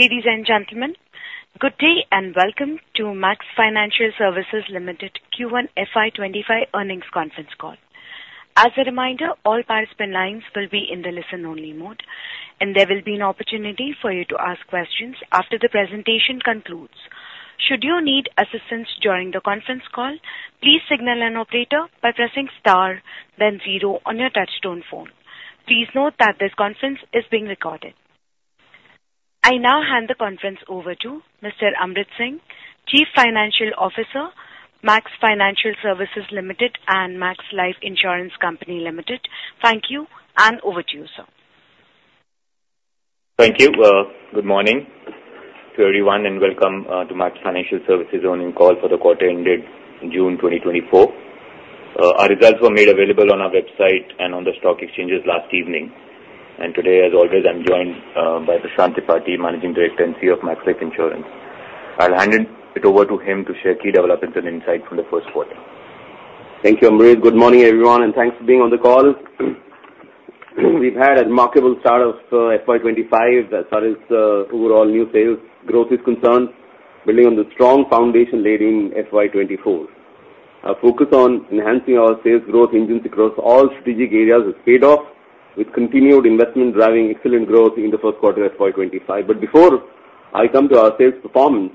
Ladies and gentlemen, good day, and welcome to Max Financial Services Limited Q1 FY 2025 earnings conference call. As a reminder, all participant lines will be in the listen-only mode, and there will be an opportunity for you to ask questions after the presentation concludes. Should you need assistance during the conference call, please signal an operator by pressing star then zero on your touchtone phone. Please note that this conference is being recorded. I now hand the conference over to Mr. Amrit Singh, Chief Financial Officer, Max Financial Services Limited, and Max Life Insurance Company Limited. Thank you, and over to you, sir. Thank you. Good morning to everyone, and welcome to Max Financial Services earnings call for the quarter ended June 2024. Our results were made available on our website and on the stock exchanges last evening. Today, as always, I'm joined by Prashant Tripathy, Managing Director and CEO of Max Life Insurance. I'll hand it over to him to share key developments and insights from the first quarter. Thank you, Amrit. Good morning, everyone, and thanks for being on the call. We've had a remarkable start of FY 2025 as far as, overall new sales growth is concerned, building on the strong foundation laid in FY 2024. Our focus on enhancing our sales growth engines across all strategic areas has paid off, with continued investment driving excellent growth in the first quarter of FY 2025. But before I come to our sales performance,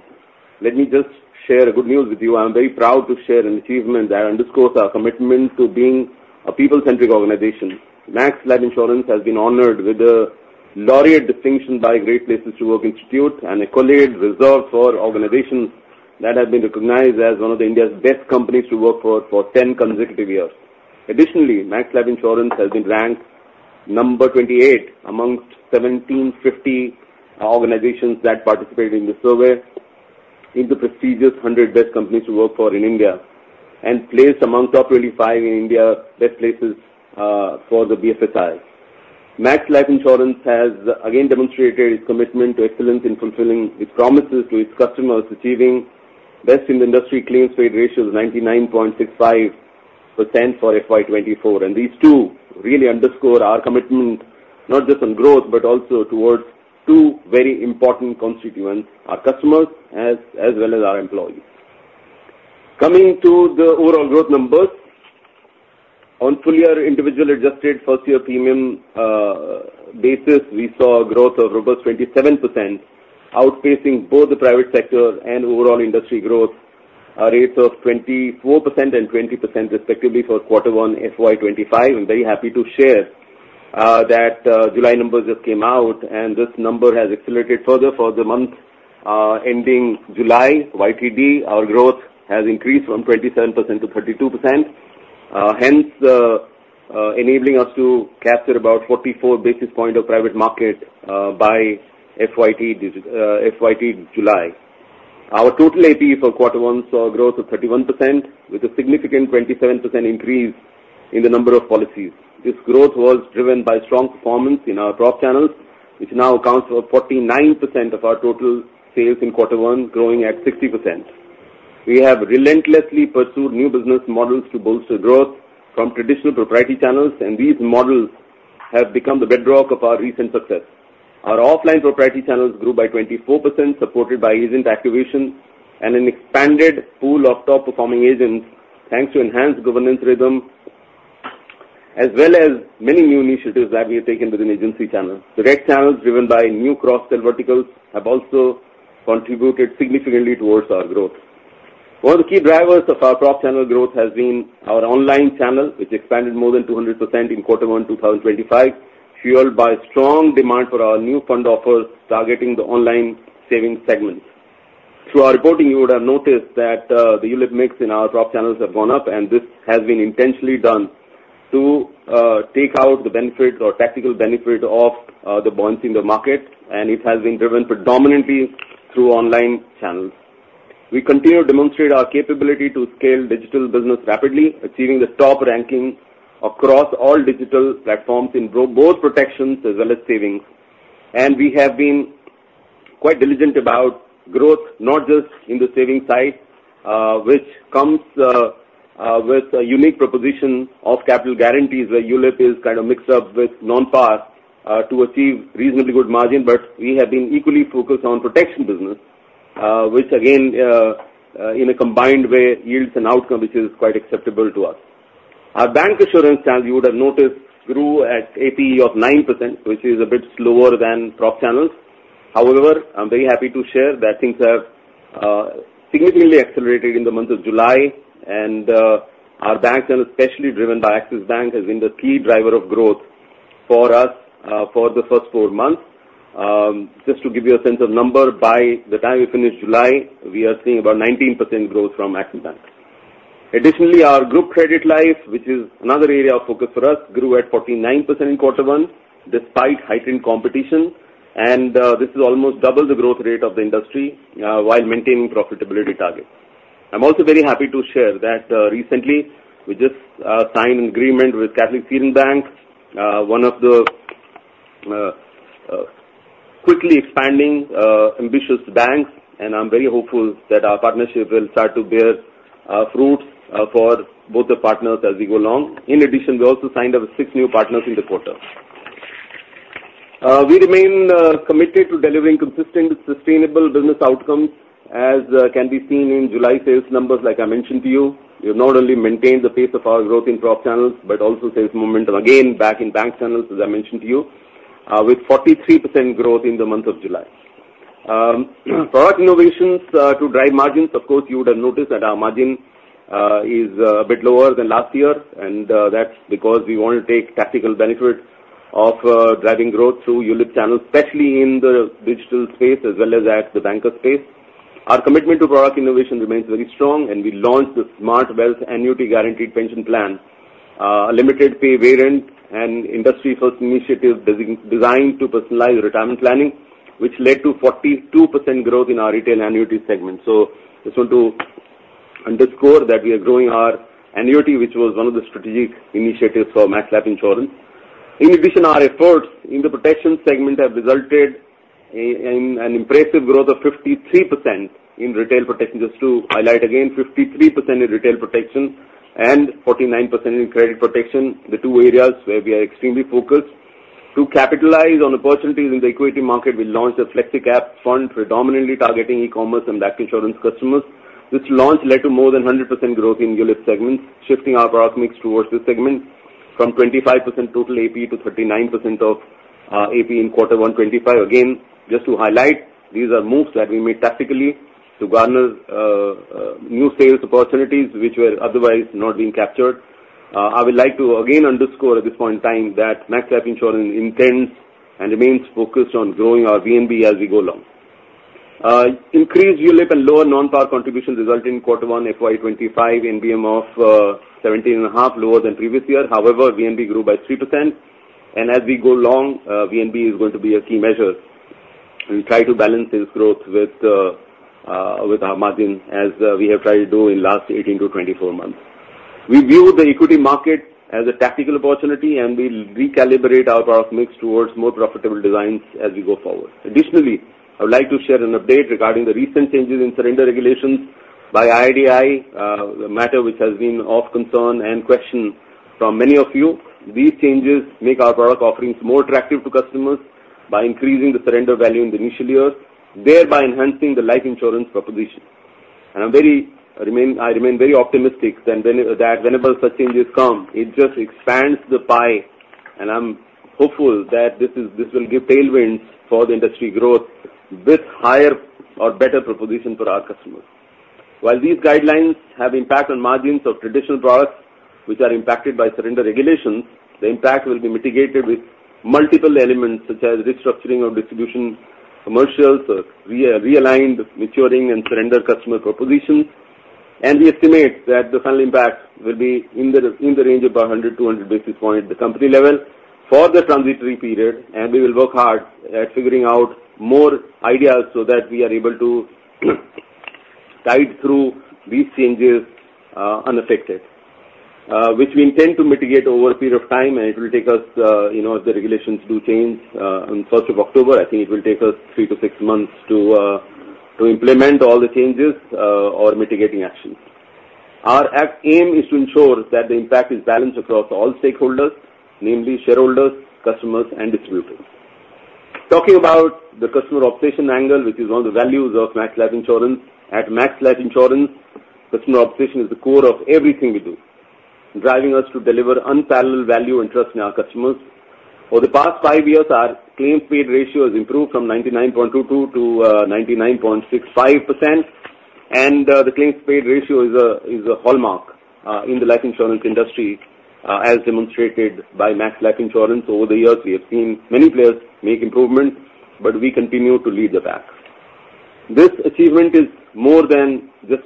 let me just share a good news with you. I'm very proud to share an achievement that underscores our commitment to being a people-centric organization. Max Life Insurance has been honored with the Laureate distinction by Great Place to Work Institute, an accolade reserved for organizations that have been recognized as one of the India's best companies to work for, for 10 consecutive years. Additionally, Max Life Insurance has been ranked number 28 amongst 1,750 organizations that participated in the survey in the prestigious 100 Best Companies to Work for in India and placed among top 25 in India best places for the BFSI. Max Life Insurance has again demonstrated its commitment to excellence in fulfilling its promises to its customers, achieving best in the industry claims paid ratios, 99.65% for FY 2024. And these two really underscore our commitment not just on growth, but also towards two very important constituents, our customers as well as our employees. Coming to the overall growth numbers. On full year, individual adjusted first year premium basis, we saw a growth of robust 27%, outpacing both the private sector and overall industry growth rates of 24% and 20%, respectively, for quarter one, FY 2025. I'm very happy to share that July numbers just came out, and this number has accelerated further for the month ending July. YTD, our growth has increased from 27% to 32%. Hence, enabling us to capture about 44 basis points of private market, by FYTD July. Our total APE for quarter one saw a growth of 31%, with a significant 27% increase in the number of policies. This growth was driven by strong performance in our prop channels, which now accounts for 49% of our total sales in quarter one, growing at 60%. We have relentlessly pursued new business models to bolster growth from traditional proprietary channels, and these models have become the bedrock of our recent success. Our offline proprietary channels grew by 24%, supported by agent activation and an expanded pool of top-performing agents, thanks to enhanced governance rhythm, as well as many new initiatives that we have taken within agency channels. Direct channels, driven by new cross-sell verticals, have also contributed significantly towards our growth. One of the key drivers of our prop channel growth has been our online channel, which expanded more than 200% in quarter 1 2025, fueled by strong demand for our new fund offers targeting the online savings segments. Through our reporting, you would have noticed that the ULIP mix in our prop channels have gone up, and this has been intentionally done to take out the benefits or tactical benefit of the buoyancy in the market, and it has been driven predominantly through online channels. We continue to demonstrate our capability to scale digital business rapidly, achieving the top ranking across all digital platforms in both protections as well as savings. We have been quite diligent about growth, not just in the savings side, which comes with a unique proposition of capital guarantees, where ULIP is kind of mixed up with non-par to achieve reasonably good margin. We have been equally focused on protection business, which again, in a combined way, yields an outcome which is quite acceptable to us. Our bancassurance channel, you would have noticed, grew at APE of 9%, which is a bit slower than prop channels. However, I'm very happy to share that things have significantly accelerated in the month of July, and our bank channel, especially driven by Axis Bank, has been the key driver of growth for us for the first four months. Just to give you a sense of number, by the time we finish July, we are seeing about 19% growth from Axis Bank. Additionally, our group credit life, which is another area of focus for us, grew at 49% in quarter one, despite heightened competition, and this is almost double the growth rate of the industry while maintaining profitability targets. I'm also very happy to share that recently, we just signed an agreement with Catholic Syrian Bank, one of the quickly expanding ambitious banks, and I'm very hopeful that our partnership will start to bear-... Fruitful for both the partners as we go along. In addition, we also signed up six new partners in the quarter. We remain committed to delivering consistent, sustainable business outcomes, as can be seen in July sales numbers like I mentioned to you. We have not only maintained the pace of our growth in prop channels, but also sales momentum again back in bank channels, as I mentioned to you, with 43% growth in the month of July. Product innovations to drive margins, of course, you would have noticed that our margin is a bit lower than last year, and that's because we want to take tactical benefit of driving growth through ULIP channels, especially in the digital space as well as at the Banca space. Our commitment to product innovation remains very strong, and we launched the Smart Wealth Annuity Guaranteed Pension Plan, a limited pay variant and industry-first initiative designed to personalize retirement planning, which led to 42% growth in our retail annuity segment. So just want to underscore that we are growing our annuity, which was one of the strategic initiatives for Max Life Insurance. In addition, our efforts in the protection segment have resulted in an impressive growth of 53% in retail protection. Just to highlight again, 53% in retail protection and 49% in credit protection, the two areas where we are extremely focused. To capitalize on opportunities in the equity market, we launched a Flexicap Fund predominantly targeting e-commerce and Max Life Insurance customers. This launch led to more than 100% growth in ULIP segments, shifting our product mix towards this segment from 25% total APE to 39% of APE in quarter one 2025. Again, just to highlight, these are moves that we made tactically to garner new sales opportunities which were otherwise not being captured. I would like to again underscore at this point in time that Max Life Insurance intends and remains focused on growing our VNB as we go along. Increased ULIP and lower non-par contributions result in quarter one FY 2025 NBM of 17.5, lower than previous year. However, VNB grew by 3%, and as we go along, VNB is going to be a key measure. We try to balance this growth with our margin, as we have tried to do in the last 18-24 months. We view the equity market as a tactical opportunity, and we'll recalibrate our product mix towards more profitable designs as we go forward. Additionally, I would like to share an update regarding the recent changes in surrender regulations by IRDAI, a matter which has been of concern and question from many of you. These changes make our product offerings more attractive to customers by increasing the surrender value in the initial years, thereby enhancing the life insurance proposition. I remain very optimistic that whenever such changes come, it just expands the pie, and I'm hopeful that this will give tailwinds for the industry growth with higher or better proposition for our customers. While these guidelines have impact on margins of traditional products which are impacted by surrender regulations, the impact will be mitigated with multiple elements, such as restructuring of distribution, commercials, realigned, maturing and surrender customer propositions. We estimate that the final impact will be in the range of 100-200 basis points at the company level for the transitory period, and we will work hard at figuring out more ideas so that we are able to tide through these changes, unaffected. Which we intend to mitigate over a period of time, and it will take us, you know, as the regulations do change, on first of October, I think it will take us 3-6 months to implement all the changes or mitigating actions. Our aim is to ensure that the impact is balanced across all stakeholders, namely shareholders, customers, and distributors. Talking about the customer obsession angle, which is one of the values of Max Life Insurance, at Max Life Insurance, customer obsession is the core of everything we do, driving us to deliver unparalleled value and trust in our customers. Over the past five years, our claims paid ratio has improved from 99.22% to 99.65%, and the claims paid ratio is a hallmark in the life insurance industry, as demonstrated by Max Life Insurance. Over the years, we have seen many players make improvements, but we continue to lead the pack. This achievement is more than just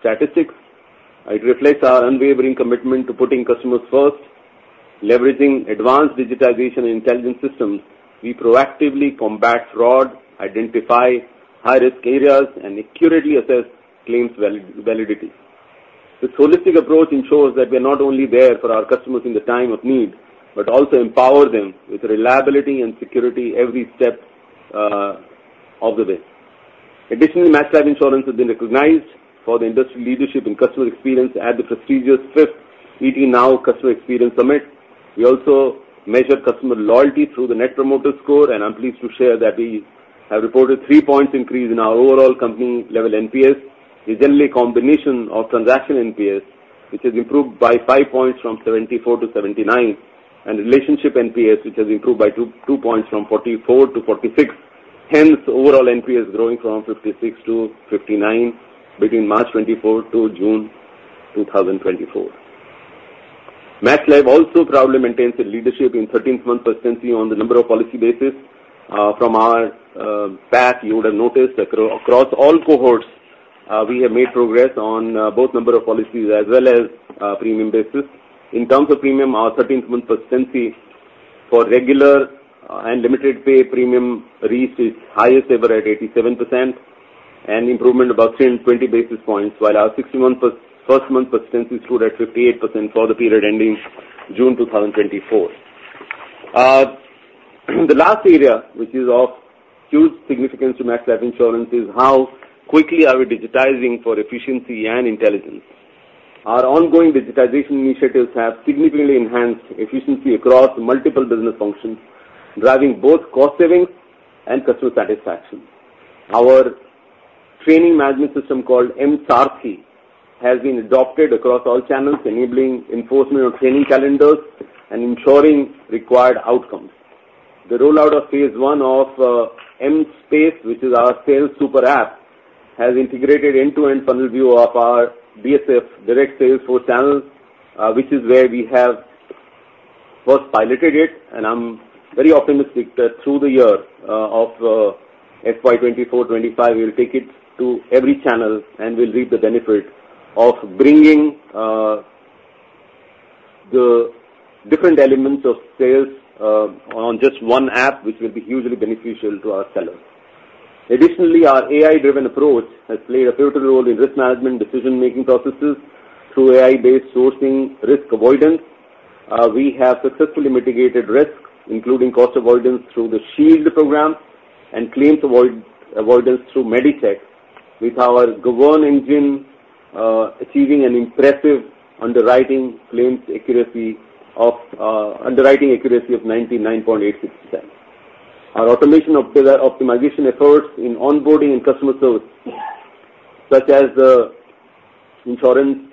statistics. It reflects our unwavering commitment to putting customers first. Leveraging advanced digitization and intelligence systems, we proactively combat fraud, identify high-risk areas, and accurately assess claims validity. This holistic approach ensures that we are not only there for our customers in the time of need, but also empower them with reliability and security every step of the way. Additionally, Max Life Insurance has been recognized for the industry leadership and customer experience at the prestigious fifth ET Now Customer Experience Summit. We also measure customer loyalty through the Net Promoter Score, and I'm pleased to share that we have reported 3 points increase in our overall company-level NPS. It is generally a combination of transaction NPS, which has improved by 5 points from 74 to 79, and relationship NPS, which has improved by 2 points from 44 to 46. Hence, overall NPS growing from 56 to 59 between March 2024 to June 2024. Max Life also proudly maintains its leadership in thirteenth-month persistency on the number of policies basis. From our past, you would have noticed across all cohorts, we have made progress on both number of policies as well as premium basis. In terms of premium, our thirteenth-month persistency for regular and limited pay premium reached its highest ever at 87%, an improvement of about 10, 20 basis points, while our 60-month persistency stood at 58% for the period ending June 2024. The last area, which is of huge significance to Max Life Insurance, is how quickly are we digitizing for efficiency and intelligence. Our ongoing digitization initiatives have significantly enhanced efficiency across multiple business functions, driving both cost savings and customer satisfaction. Our training management system, called mSaarthi, has been adopted across all channels, enabling enforcement of training calendars and ensuring required outcomes. The rollout of phase one of mSpace, which is our sales super app, has integrated end-to-end funnel view of our DSF, direct sales force channel, which is where we have first piloted it, and I'm very optimistic that through the year of FY 2024-2025, we'll take it to every channel, and we'll reap the benefit of bringing the different elements of sales on just one app, which will be hugely beneficial to our sellers. Additionally, our AI-driven approach has played a pivotal role in risk management decision-making processes through AI-based sourcing risk avoidance. We have successfully mitigated risks, including cost avoidance through the Shield program and claims avoidance through MediCheck, with our govern engine achieving an impressive underwriting accuracy of 99.86%. Our automation optimization efforts in onboarding and customer service, such as the Insurance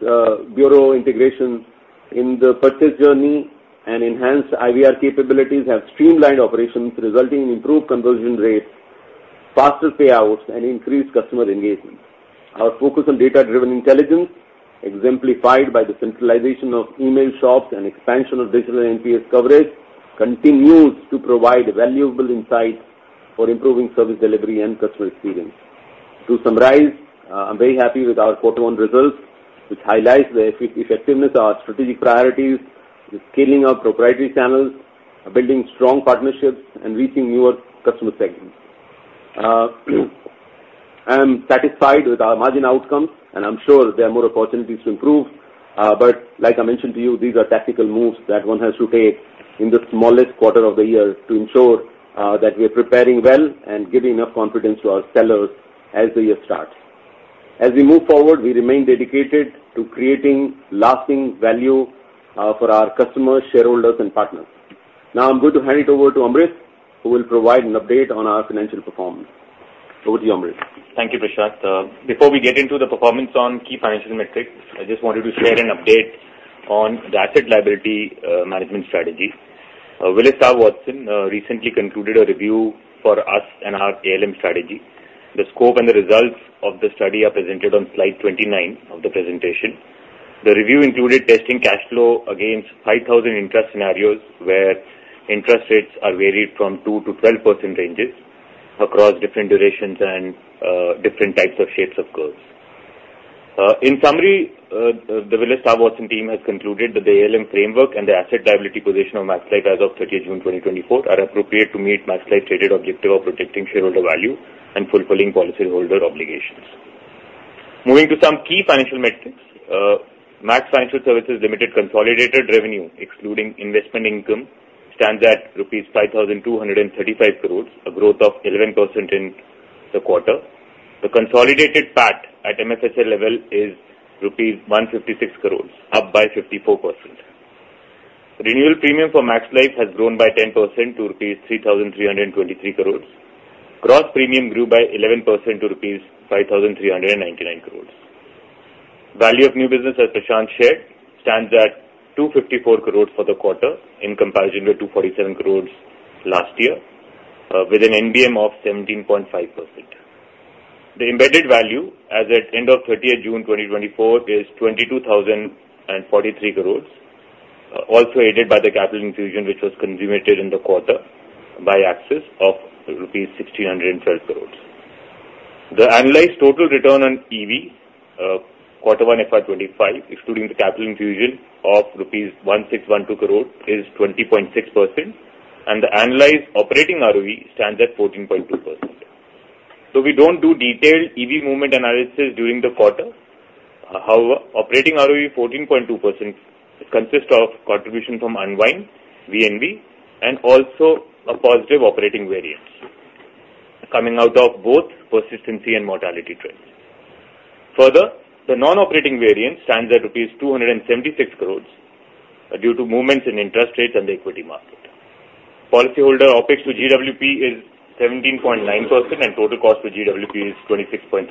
Bureau integration in the purchase journey and enhanced IVR capabilities, have streamlined operations, resulting in improved conversion rates, faster payouts, and increased customer engagement. Our focus on data-driven intelligence, exemplified by the centralization of email ops and expansion of digital NPS coverage, continues to provide valuable insights for improving service delivery and customer experience. To summarize, I'm very happy with our quarter one results, which highlights the effectiveness of our strategic priorities, the scaling of proprietary channels, building strong partnerships, and reaching newer customer segments. I am satisfied with our margin outcomes, and I'm sure there are more opportunities to improve. But like I mentioned to you, these are tactical moves that one has to take in the smallest quarter of the year to ensure that we are preparing well and giving enough confidence to our sellers as the year starts. As we move forward, we remain dedicated to creating lasting value for our customers, shareholders, and partners. Now I'm going to hand it over to Amrit, who will provide an update on our financial performance. Over to you, Amrit. Thank you, Prashant. Before we get into the performance on key financial metrics, I just wanted to share an update on the asset liability management strategy. Willis Towers recently concluded a review for us and our ALM strategy. The scope and the results of the study are presented on slide 29 of the presentation. The review included testing cash flow against 5,000 interest scenarios, where interest rates are varied from 2%-12% ranges across different durations and different types of shapes of curves. In summary, the Willis Towers Watson team has concluded that the ALM framework and the asset liability position of Max Life as of 30 June 2024 are appropriate to meet Max Life's stated objective of protecting shareholder value and fulfilling policyholder obligations. Moving to some key financial metrics, Max Financial Services Limited consolidated revenue, excluding investment income, stands at rupees 5,235 crore, a growth of 11% in the quarter. The consolidated PAT at MFSL level is rupees 156 crore, up by 54%. Renewal premium for Max Life has grown by 10% to INR 3,323 crore. Gross premium grew by 11% to INR 5,399 crore. Value of new business, as Prashant shared, stands at 254 crore for the quarter, in comparison to 247 crore last year, with an NBM of 17.5%. The embedded value as at end of 30 June 2024 is 22,043 crore, also aided by the capital infusion, which was consummated in the quarter by Axis of rupees 1,612 crore. The annualized total return on EV, quarter one FY 2025, excluding the capital infusion of rupees 1,612 crore, is 20.6%, and the annualized operating ROE stands at 14.2%. So we don't do detailed EV movement analysis during the quarter. However, operating ROE 14.2% consists of contribution from unwind, VNB, and also a positive operating variance coming out of both persistency and mortality trends. Further, the non-operating variance stands at rupees 276 crore, due to movements in interest rates and the equity market. Policyholder OpEx to GWP is 17.9%, and total cost to GWP is 26.3%.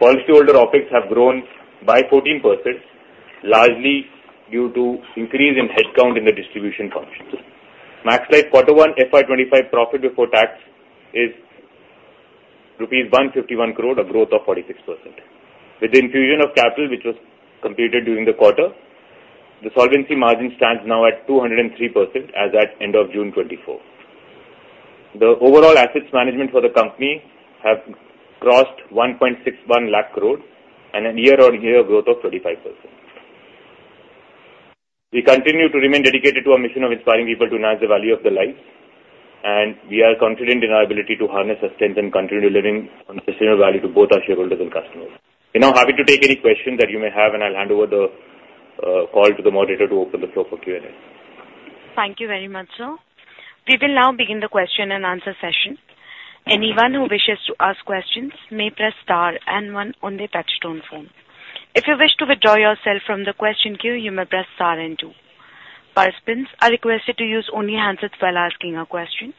Policyholder OpEx have grown by 14%, largely due to increase in headcount in the distribution functions. Max Life quarter one FY 2025 profit before tax is rupees 151 crore, a growth of 46%. With the infusion of capital, which was completed during the quarter, the solvency margin stands now at 203% as at end of June 2024. The overall assets management for the company have crossed 161,000 crore and a year-on-year growth of 35%. We continue to remain dedicated to our mission of inspiring people to enhance the value of their lives. And we are confident in our ability to harness the strength and continue delivering on sustainable value to both our shareholders and customers. We're now happy to take any questions that you may have, and I'll hand over the call to the moderator to open the floor for Q&A. Thank you very much, sir. We will now begin the question-and-answer session. Anyone who wishes to ask questions may press star and one on their touchtone phone. If you wish to withdraw yourself from the question queue, you may press star and two. Participants are requested to use only handsets while asking a question.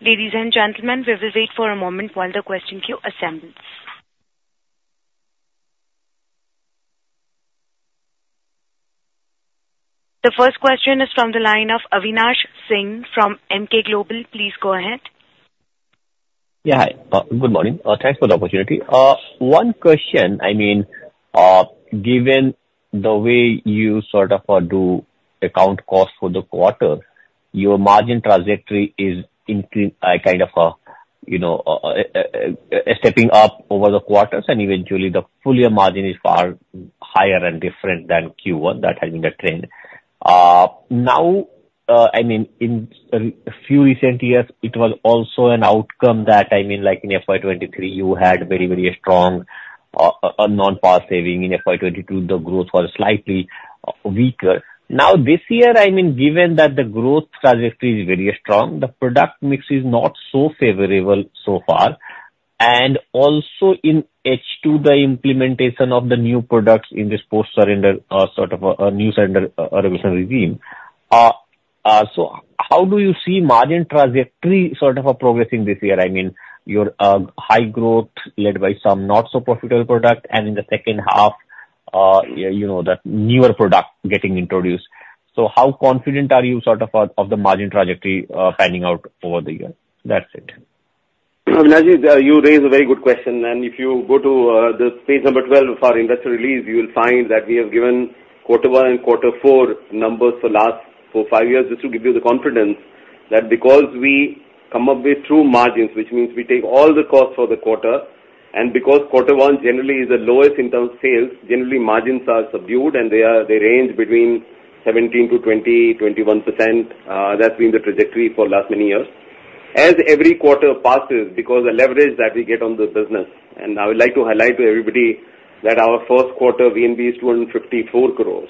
Ladies and gentlemen, we will wait for a moment while the question queue assembles. The first question is from the line of Avinash Singh from Emkay Global. Please go ahead. Yeah, hi. Good morning. Thanks for the opportunity. One question, I mean, given the way you sort of do account costs for the quarter, your margin trajectory is kind of, you know, stepping up over the quarters, and eventually the full year margin is far higher and different than Q1. That has been the trend. Now, I mean, in a few recent years, it was also an outcome that, I mean, like in FY 2023, you had very, very strong non-par savings. In FY 2022, the growth was slightly weaker. Now, this year, I mean, given that the growth trajectory is very strong, the product mix is not so favorable so far, and also in H2, the implementation of the new products in this post surrender, sort of, a new surrender, revision regime. So how do you see margin trajectory sort of progressing this year? I mean, your high growth led by some not so profitable product, and in the second half, you know, that newer product getting introduced. So how confident are you sort of of the margin trajectory, panning out over the year? That's it. Avinash, you raise a very good question, and if you go to the page number 12 of our investor release, you will find that we have given quarter one and quarter four numbers for last four, five years. This will give you the confidence that because we come up with true margins, which means we take all the costs for the quarter, and because quarter one generally is the lowest in terms of sales, generally margins are subdued, and they are, they range between 17%-21%. That's been the trajectory for last many years. As every quarter passes, because the leverage that we get on the business, and I would like to highlight to everybody that our first quarter VNB is 254 crore.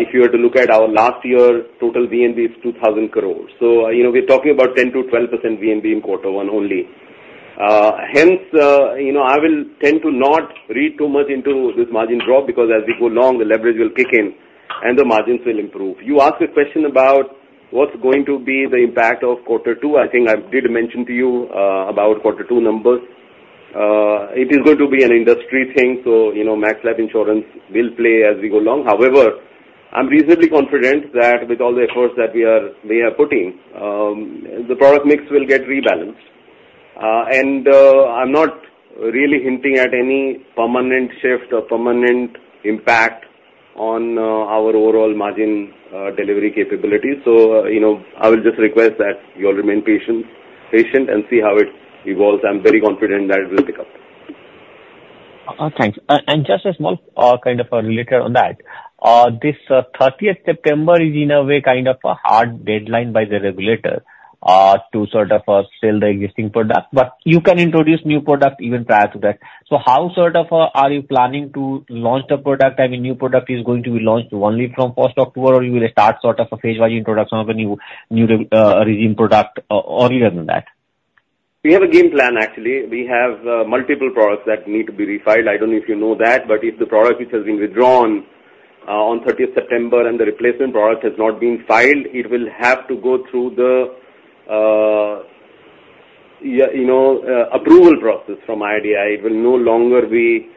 If you were to look at our last year, total VNB is 2,000 crore. So you know, we're talking about 10%-12% VNB in quarter one only. Hence, you know, I will tend to not read too much into this margin drop, because as we go along, the leverage will kick in and the margins will improve. You asked a question about what's going to be the impact of quarter two. I think I did mention to you about quarter two numbers. It is going to be an industry thing, so, you know, Max Life Insurance will play as we go along. However, I'm reasonably confident that with all the efforts that we are, we are putting, the product mix will get rebalanced. And, I'm not really hinting at any permanent shift or permanent impact on our overall margin delivery capability. You know, I will just request that you all remain patient, patient and see how it evolves. I'm very confident that it will pick up. Thanks. And just a small kind of related on that. This 30th September is in a way, kind of a hard deadline by the regulator, to sort of sell the existing product, but you can introduce new product even prior to that. So how sort of are you planning to launch the product? I mean, new product is going to be launched only from 1st October, or you will start sort of a phase-wise introduction of a new regime product earlier than that? We have a game plan, actually. We have multiple products that need to be refiled. I don't know if you know that, but if the product which has been withdrawn on thirtieth September, and the replacement product has not been filed, it will have to go through the you know, approval process from IRDAI. It will no longer be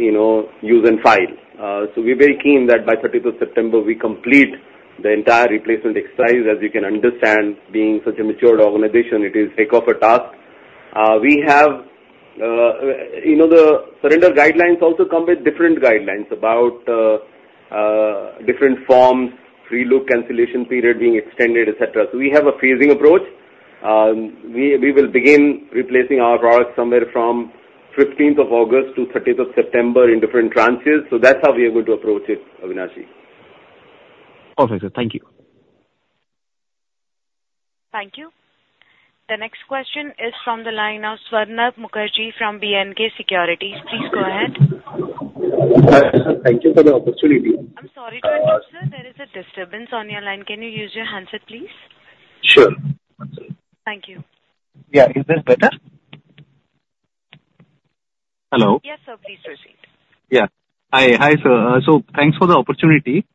you know, use and file. So we're very keen that by thirtieth of September, we complete the entire replacement exercise. As you can understand, being such a mature organization, it is heck of a task. We have... You know, the surrender guidelines also come with different guidelines about different forms, free look, cancellation period being extended, et cetera. So we have a phasing approach. We will begin replacing our products somewhere from fifteenth of August to thirtieth of September in different tranches. So that's how we are going to approach it, Avinash. Perfect, sir. Thank you. Thank you. The next question is from the line of Swarnabha Mukherjee from B&K Securities. Please go ahead. Thank you for the opportunity. I'm sorry to interrupt, sir. There is a disturbance on your line. Can you use your handset, please? Sure. One second. Thank you. Yeah. Is this better? Hello? Yes, sir. Please proceed. Yeah. Hi. Hi, sir. So thanks for the opportunity.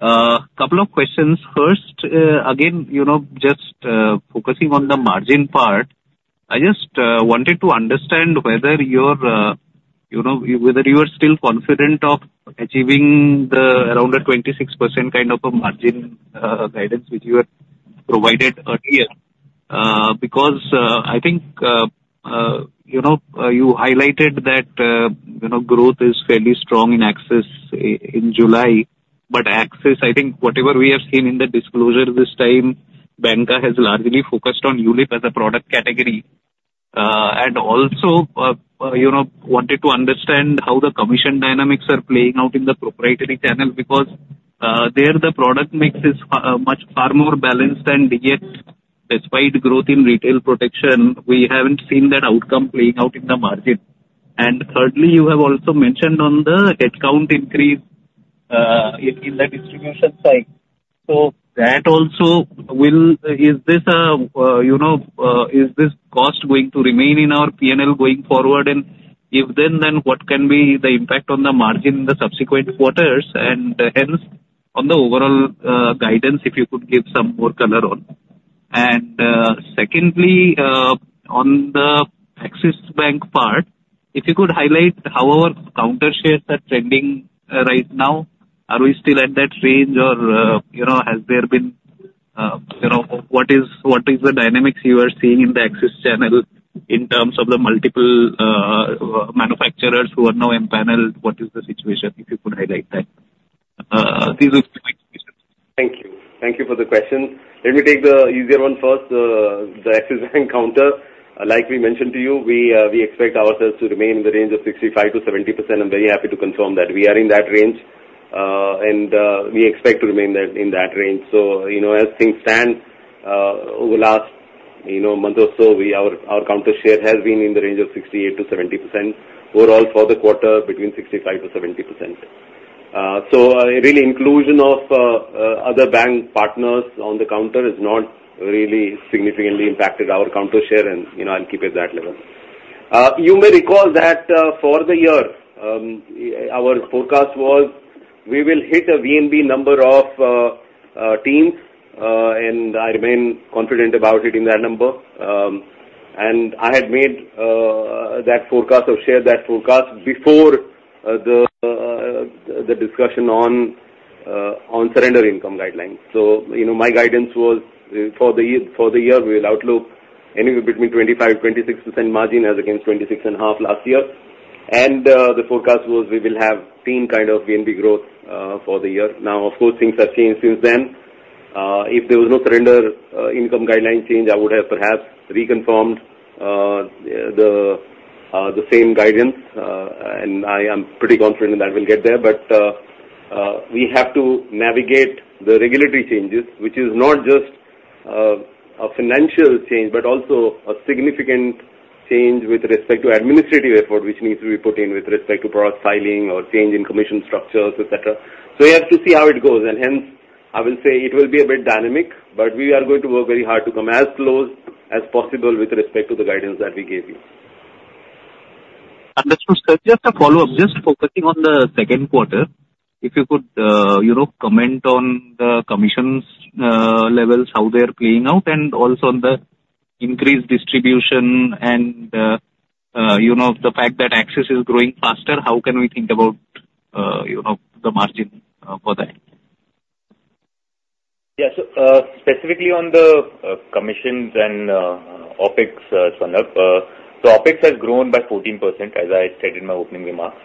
Couple of questions. First, again, you know, just focusing on the margin part, I just wanted to understand whether you're, you know, whether you are still confident of achieving the around a 26% kind of a margin guidance which you had provided earlier. Because, I think, you know, you highlighted that, you know, growth is fairly strong in Axis in July, but Axis Bank, I think whatever we have seen in the disclosure this time, Bank has largely focused on ULIP as a product category.... And also, you know, wanted to understand how the commission dynamics are playing out in the proprietary channel, because there the product mix is much far more balanced, and yet despite growth in retail protection, we haven't seen that outcome playing out in the margin. And thirdly, you have also mentioned on the headcount increase in the distribution side. So that also will is this cost going to remain in our P&L going forward? And if then, then what can be the impact on the margin in the subsequent quarters, and hence on the overall guidance, if you could give some more color on? And secondly, on the Axis Bank part, if you could highlight how our counter shares are trending right now. Are we still at that range or, you know, has there been, you know, what is, what is the dynamics you are seeing in the Axis channel in terms of the multiple, manufacturers who are now in panel? What is the situation, if you could highlight that? These are my questions. Thank you. Thank you for the question. Let me take the easier one first, the Axis Bank counter. Like we mentioned to you, we, we expect ourselves to remain in the range of 65%-70%. I'm very happy to confirm that we are in that range, and, we expect to remain that, in that range. So, you know, as things stand, over last, you know, month or so, we, our, our counter share has been in the range of 68%-70%. Overall, for the quarter, between 65%-70%. So, really, inclusion of, other bank partners on the counter is not really significantly impacted our counter share, and, you know, I'll keep it at that level. You may recall that, for the year, our forecast was we will hit a VNB number of teens, and I remain confident about hitting that number. And I had made that forecast or shared that forecast before the discussion on surrender income guidelines. So, you know, my guidance was for the year, for the year, we'll outlook anywhere between 25%-26% margin as against 26.5% last year. And the forecast was we will have teens kind of VNB growth for the year. Now, of course, things have changed since then. If there was no surrender income guideline change, I would have perhaps reconfirmed the same guidance, and I am pretty confident that we'll get there. But, we have to navigate the regulatory changes, which is not just a financial change, but also a significant change with respect to administrative effort, which needs to be put in with respect to product filing or change in commission structures, et cetera. So we have to see how it goes, and hence, I will say it will be a bit dynamic, but we are going to work very hard to come as close as possible with respect to the guidance that we gave you. Understood, sir. Just a follow-up, just focusing on the second quarter, if you could, you know, comment on the commissions, levels, how they are playing out, and also on the increased distribution and, you know, the fact that Axis is growing faster, how can we think about, you know, the margin, for that? Yeah. So, specifically on the commissions and OpEx, Swarnabha so OpEx has grown by 14%, as I said in my opening remarks.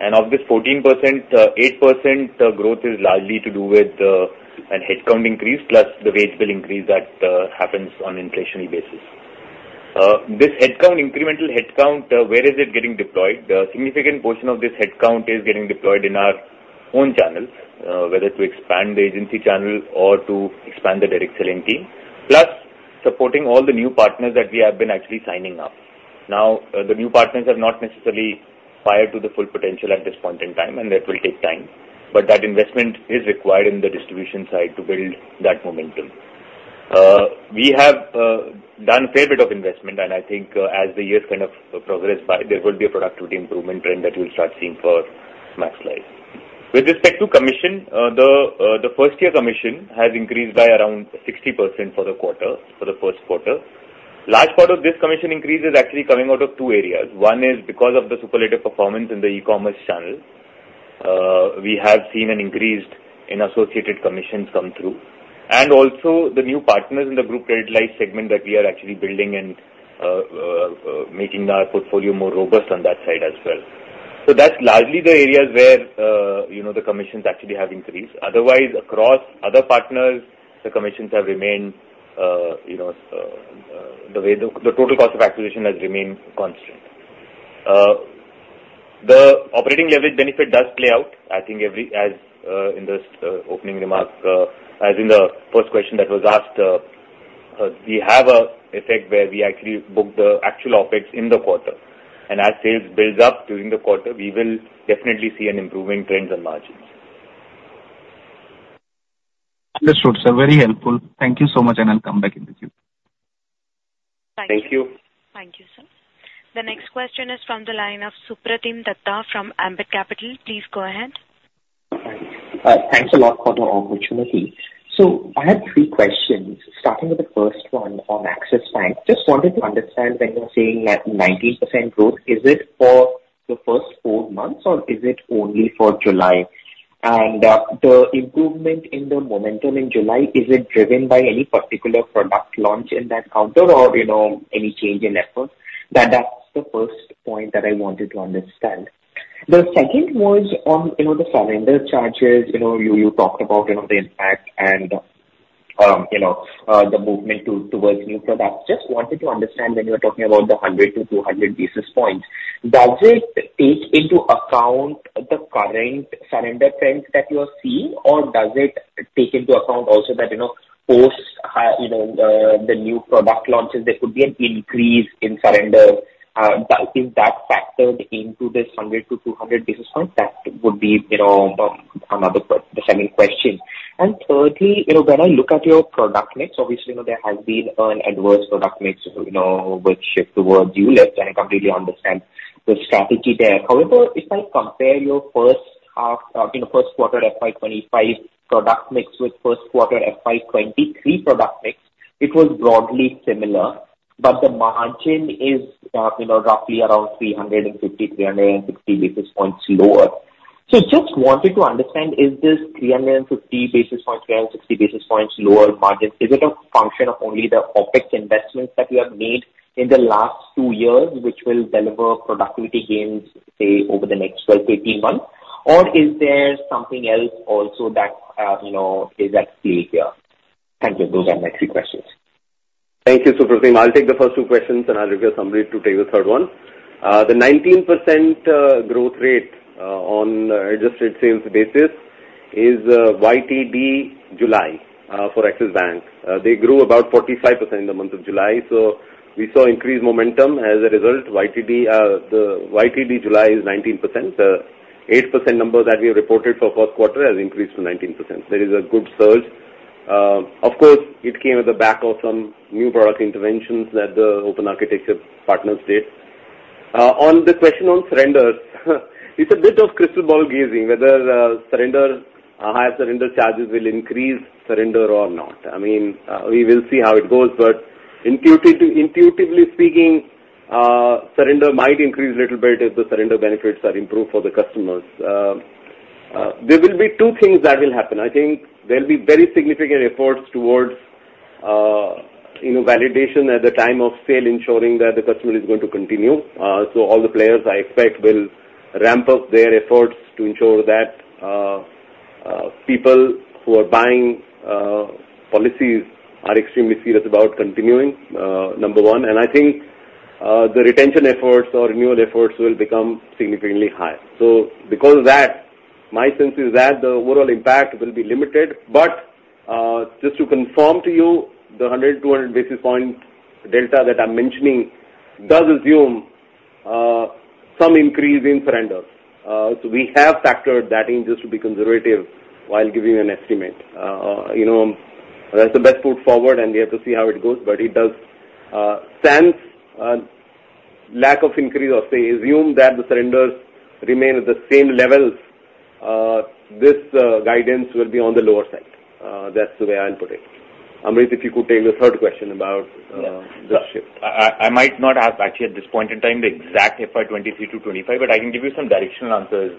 And of this 14%, 8% growth is largely to do with an headcount increase, plus the wage bill increase that happens on an inflationary basis. This headcount, incremental headcount, where is it getting deployed? A significant portion of this headcount is getting deployed in our own channels, whether to expand the agency channel or to expand the direct selling team, plus supporting all the new partners that we have been actually signing up. Now, the new partners are not necessarily prior to the full potential at this point in time, and that will take time, but that investment is required in the distribution side to build that momentum. We have done a fair bit of investment, and I think, as the years kind of progress by, there will be a productivity improvement trend that we'll start seeing for Max Life. With respect to commission, the first-year commission has increased by around 60% for the quarter, for the first quarter. Large part of this commission increase is actually coming out of two areas. One is because of the superlative performance in the e-commerce channel. We have seen an increase in associated commissions come through. And also the new partners in the group credit life segment that we are actually building and making our portfolio more robust on that side as well. So that's largely the areas where, you know, the commissions actually have increased. Otherwise, across other partners, the commissions have remained, you know, the way the total cost of acquisition has remained constant. The operating leverage benefit does play out, I think, as in the opening remarks, as in the first question that was asked, we have an effect where we actually book the actual OpEx in the quarter, and as sales build up during the quarter, we will definitely see an improvement in trends and margins. Understood, sir. Very helpful. Thank you so much, and I'll come back in the queue. Thank you. Thank you, sir. The next question is from the line of Supratim Datta from Ambit Capital. Please go ahead. Thanks a lot for the opportunity. So I have three questions, starting with the first one on Axis Bank. Just wanted to understand when you're saying that 90% growth, is it for the first four months, or is it only for July? And the improvement in the momentum in July, is it driven by any particular product launch in that quarter or, you know, any change in efforts? That's the first point that I wanted to understand. The second was on, you know, the surrender charges. You know, you talked about, you know, the impact and the movement towards new products. Just wanted to understand when you were talking about the 100-200 basis points, does it take into account the current surrender trends that you are seeing, or does it take into account also that, you know, post-Holi, you know, the new product launches, there could be an increase in surrender? Is that factored into this 100-200 basis points? That would be, you know, another pressing question. And thirdly, you know, when I look at your product mix, obviously, you know, there has been an adverse product mix, you know, which shift towards ULIPs, and I completely understand the strategy there. However, if I compare your first half, you know, first quarter FY 2025 product mix with first quarter FY 2023 product mix, it was broadly similar, but the margin is, you know, roughly around 350, 360 basis points lower. So just wanted to understand, is this 350 basis points, 360 basis points lower margin, is it a function of only the OpEx investments that you have made in the last two years, which will deliver productivity gains, say, over the next 12, 18 months? Or is there something else also that, you know, is at play here? Thank you. Those are my three questions. Thank you, Supratim. I'll take the first two questions, and I'll request Amrit to take the third one. The 19% growth rate on adjusted sales basis is YTD July for Axis Bank. They grew about 45% in the month of July, so we saw increased momentum. As a result, YTD, the YTD July is 19%. The 8% number that we have reported for first quarter has increased to 19%. There is a good surge. Of course, it came at the back of some new product interventions that the open architecture partners did. On the question on surrenders, it's a bit of crystal ball gazing, whether higher surrender charges will increase surrender or not. I mean, we will see how it goes, but intuitively speaking, surrender might increase a little bit if the surrender benefits are improved for the customers. There will be two things that will happen. I think there will be very significant efforts towards, you know, validation at the time of sale, ensuring that the customer is going to continue. So all the players I expect will ramp up their efforts to ensure that, people who are buying, policies are extremely serious about continuing, number one. And I think, the retention efforts or renewal efforts will become significantly higher. So because of that, my sense is that the overall impact will be limited. But, just to confirm to you, the 100-200 basis point delta that I'm mentioning does assume, some increase in surrenders. So we have factored that in just to be conservative while giving you an estimate. You know, that's the best foot forward, and we have to see how it goes, but it does sense, lack of increase or say, assume that the surrenders remain at the same levels, this guidance will be on the lower side. That's the way I'll put it. Amrit, if you could take the third question about, the shift. Yeah. I might not have actually, at this point in time, the exact FY 2023 to 2025, but I can give you some directional answers,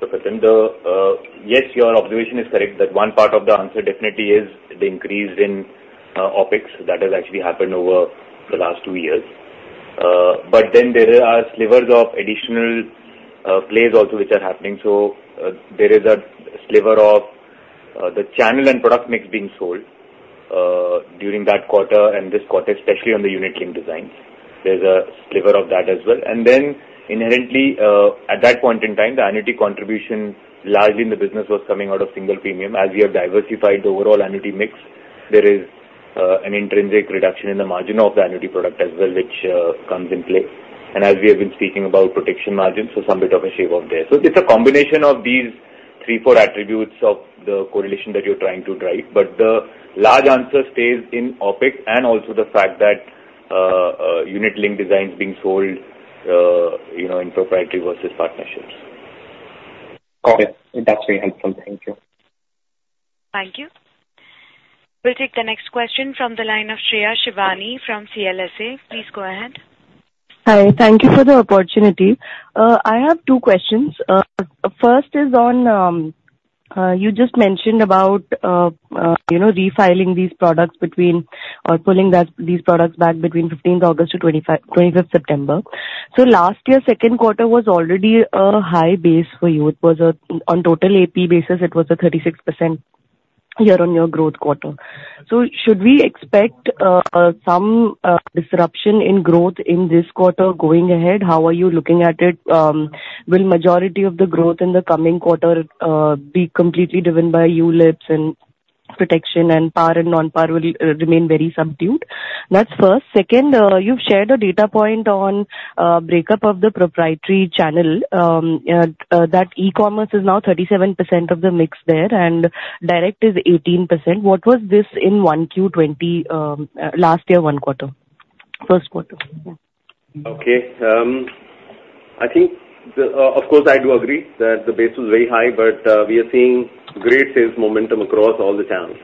Supratim. The, yes, your observation is correct, that one part of the answer definitely is the increase in, OpEx that has actually happened over the last two years. But then there are slivers of additional, plays also which are happening. So, there is a sliver of, the channel and product mix being sold, during that quarter and this quarter, especially on the unit-linked designs. There's a sliver of that as well. And then inherently, at that point in time, the annuity contribution largely in the business was coming out of single premium. As we have diversified the overall annuity mix, there is an intrinsic reduction in the margin of the annuity product as well, which comes in play. And as we have been speaking about protection margins, so some bit of a shave off there. So it's a combination of these three, four attributes of the correlation that you're trying to derive. But the large answer stays in OpEx and also the fact that unit link designs being sold, you know, in proprietary versus partnerships. Got it. That's very helpful. Thank you. Thank you. We'll take the next question from the line of Shreya Shivani from CLSA. Please go ahead. Hi, thank you for the opportunity. I have two questions. First is on, you just mentioned about, you know, refiling these products between or pulling back these products back between fifteenth August to twenty-fifth September. So last year, second quarter was already a high base for you. It was, on total AP basis, it was a 36% year-on-year growth quarter. So should we expect some disruption in growth in this quarter going ahead? How are you looking at it? Will majority of the growth in the coming quarter be completely driven by ULIPs and protection, and par and non-par will remain very subdued? That's first. Second, you've shared a data point on, breakup of the proprietary channel, that e-commerce is now 37% of the mix there, and direct is 18%. What was this in 1Q 20%, last year, first quarter? Yeah. Okay. I think the, of course, I do agree that the base was very high, but, we are seeing great sales momentum across all the channels.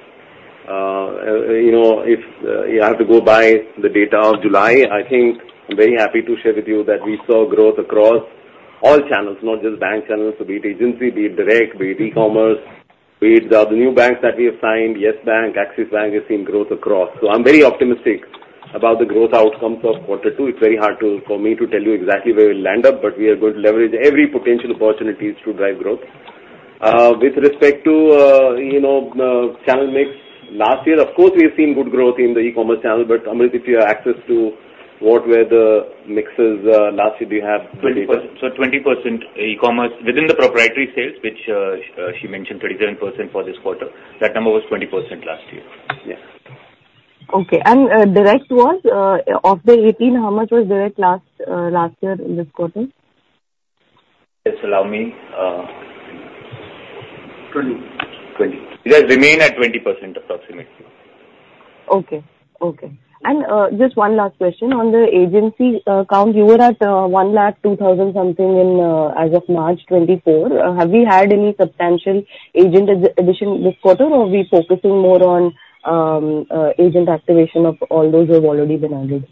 You know, if you have to go by the data of July, I think I'm very happy to share with you that we saw growth across all channels, not just bank channels, so be it agency, be it direct, be it e-commerce, be it the new banks that we have signed, Yes Bank, Axis Bank, we've seen growth across. So I'm very optimistic about the growth outcomes of quarter two, it's very hard to for me to tell you exactly where we'll land up, but we are going to leverage every potential opportunities to drive growth. With respect to, you know, channel mix, last year, of course, we have seen good growth in the e-commerce channel. But Amrit, if you have access to what were the mixes, last year, do you have the data? So 20% e-commerce within the proprietary sales, which, she mentioned 37% for this quarter. That number was 20% last year. Yes. Okay. And, direct was, of the 18, how much was direct last, last year in this quarter? Just allow me. 20%. 20%. It has remained at 20% approximately. Okay. Okay. Just one last question. On the agency count, you were at 102,000 something in, as of March 2024. Have we had any substantial agent addition this quarter, or are we focusing more on agent activation of all those who have already been added?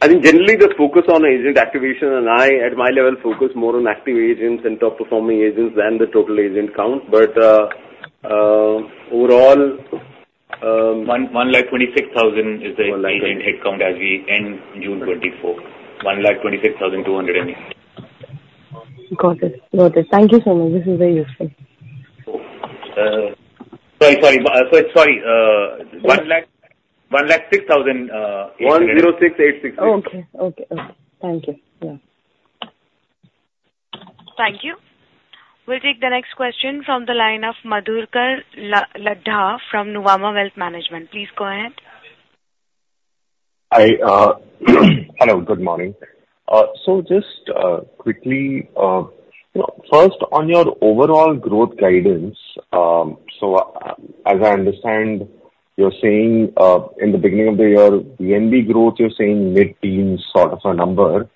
I think generally just focus on agent activation, and I, at my level, focus more on active agents and top-performing agents than the total agent count. But, overall, 126,000 is the agent headcount as we end June 2024. 126,208. Got it. Got it. Thank you so much. This is very useful. Sorry. INR 106,000. 106,868. Okay. Okay, okay. Thank you. Yeah. Thank you. We'll take the next question from the line of Madhukar Ladha from Nuvama Wealth Management. Please go ahead. Hi, hello, good morning. So just quickly, you know, first on your overall growth guidance, so as I understand, you're saying in the beginning of the year, VNB growth, you're saying mid-teens sort of a number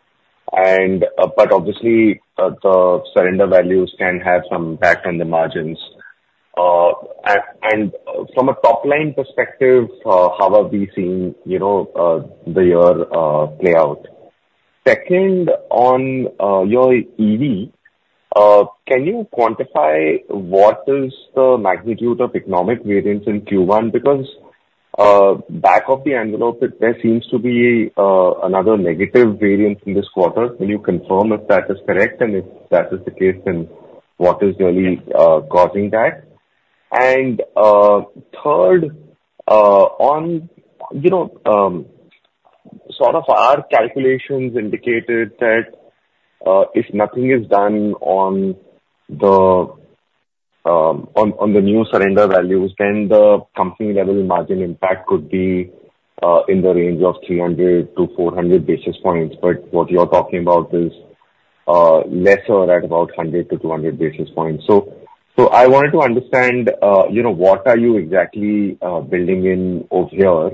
and, but obviously, the surrender values can have some impact on the margins. And from a top-line perspective, how are we seeing, you know, the year play out? Second, on your EV, can you quantify what is the magnitude of economic variance in Q1? Because, back of the envelope, there seems to be another negative variance in this quarter. Can you confirm if that is correct, and if that is the case, then what is really causing that? And, third, on, you know, sort of our calculations indicated that, if nothing is done on the, on the new surrender values, then the company level margin impact could be, in the range of 300-400 basis points, but what you're talking about is, lesser at about 100-200 basis points. So, I wanted to understand, you know, what are you exactly, building in over here?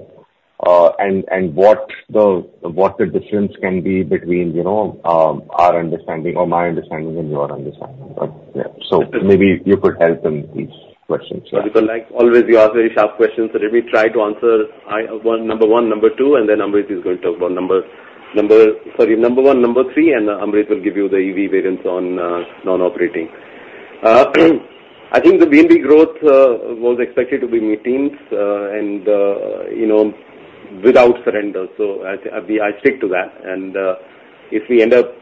And, what the, what the difference can be between, you know, our understanding or my understanding and your understanding. But, yeah, so maybe you could help in these questions. Madhukar, like always, you ask very sharp questions. So let me try to answer one, number one, number two, and then Amrit is going to talk about number, number. Sorry, number one, number three, and Amrit will give you the EV variance on non-operating. I think the VNB growth was expected to be mid-teens, and you know, without surrender. So I, I, I stick to that. And if we end up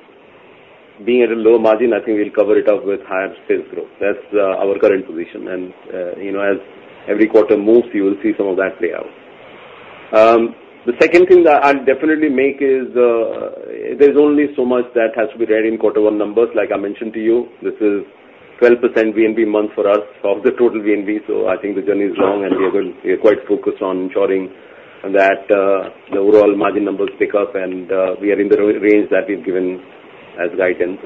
being at a lower margin, I think we'll cover it up with higher sales growth. That's our current position. And you know, as every quarter moves, you will see some of that play out. The second thing that I'll definitely make is, there's only so much that has to be there in quarter one numbers. Like I mentioned to you, this is 12% VNB month for us, of the total VNB, so I think the journey is long, and we are good. We are quite focused on ensuring that the overall margin numbers pick up, and we are in the range that we've given as guidance.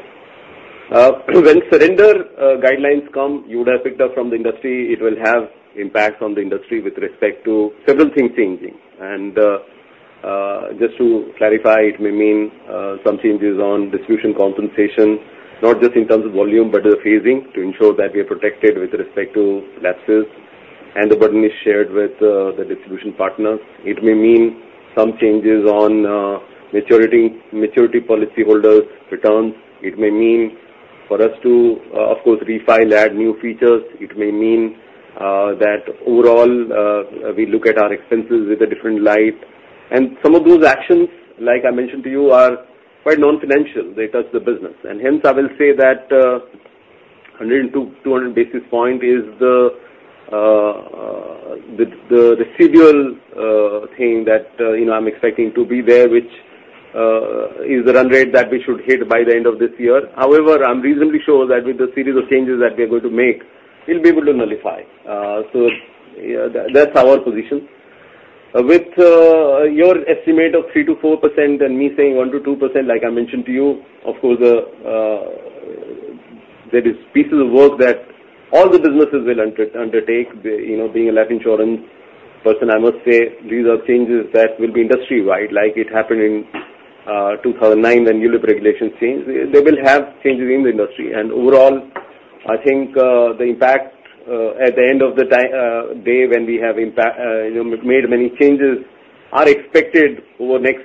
When surrender guidelines come, you would have picked up from the industry, it will have impacts on the industry with respect to several things changing. And just to clarify, it may mean some changes on distribution compensation, not just in terms of volume, but the phasing, to ensure that we are protected with respect to lapses, and the burden is shared with the distribution partners. It may mean some changes on maturity policyholders' returns. It may mean for us to, of course, refine, add new features. It may mean that overall, we look at our expenses with a different light. And some of those actions, like I mentioned to you, are quite non-financial. They touch the business. And hence, I will say that 100-200 basis points is the residual thing that you know, I'm expecting to be there, which is the run rate that we should hit by the end of this year. However, I'm reasonably sure that with the series of changes that we are going to make, we'll be able to nullify. So, yeah, that's our position. With your estimate of 3%-4% and me saying 1%-2%, like I mentioned to you, of course, there is pieces of work that all the businesses will undertake. You know, being a life insurance person, I must say, these are changes that will be industry-wide, like it happened in 2009 when ULIP regulation changed. They will have changes in the industry. Overall, I think, the impact at the end of the day when we have impact, you know, made many changes, are expected over the next,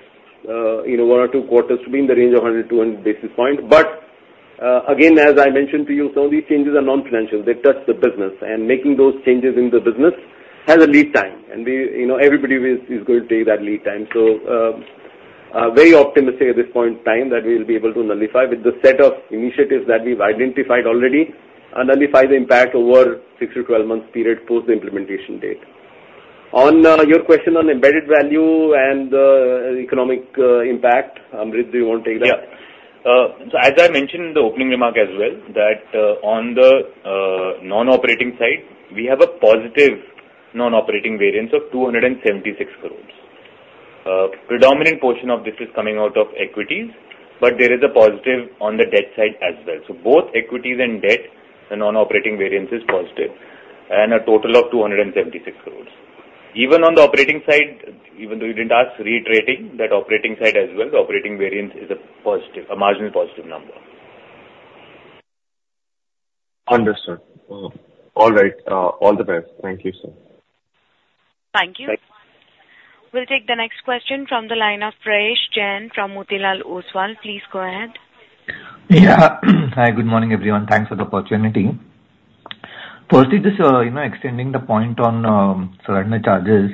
you know, one or two quarters to be in the range of 100-200 basis point. But again, as I mentioned to you, some of these changes are non-financial. They touch the business, and making those changes in the business has a lead time, and we, you know, everybody is going to take that lead time. So, very optimistic at this point in time that we'll be able to nullify with the set of initiatives that we've identified already and nullify the impact over 6-12 months period post the implementation date. On your question on embedded value and economic impact, Amrit, do you want to take that? Yeah. So as I mentioned in the opening remark as well, that, on the, non-operating side, we have a positive non-operating variance of 276 crore. Predominant portion of this is coming out of equities, but there is a positive on the debt side as well. So both equities and debt, the non-operating variance is positive and a total of 276 crore. Even on the operating side, even though you didn't ask, reiterating that operating side as well, the operating variance is a positive, a marginally positive number. Understood. All right. All the best. Thank you, sir. Thank you. Thank you. We'll take the next question from the line of Prayesh Jain from Motilal Oswal. Please go ahead. Yeah. Hi, good morning, everyone. Thanks for the opportunity. Firstly, just, you know, extending the point on, surrender charges.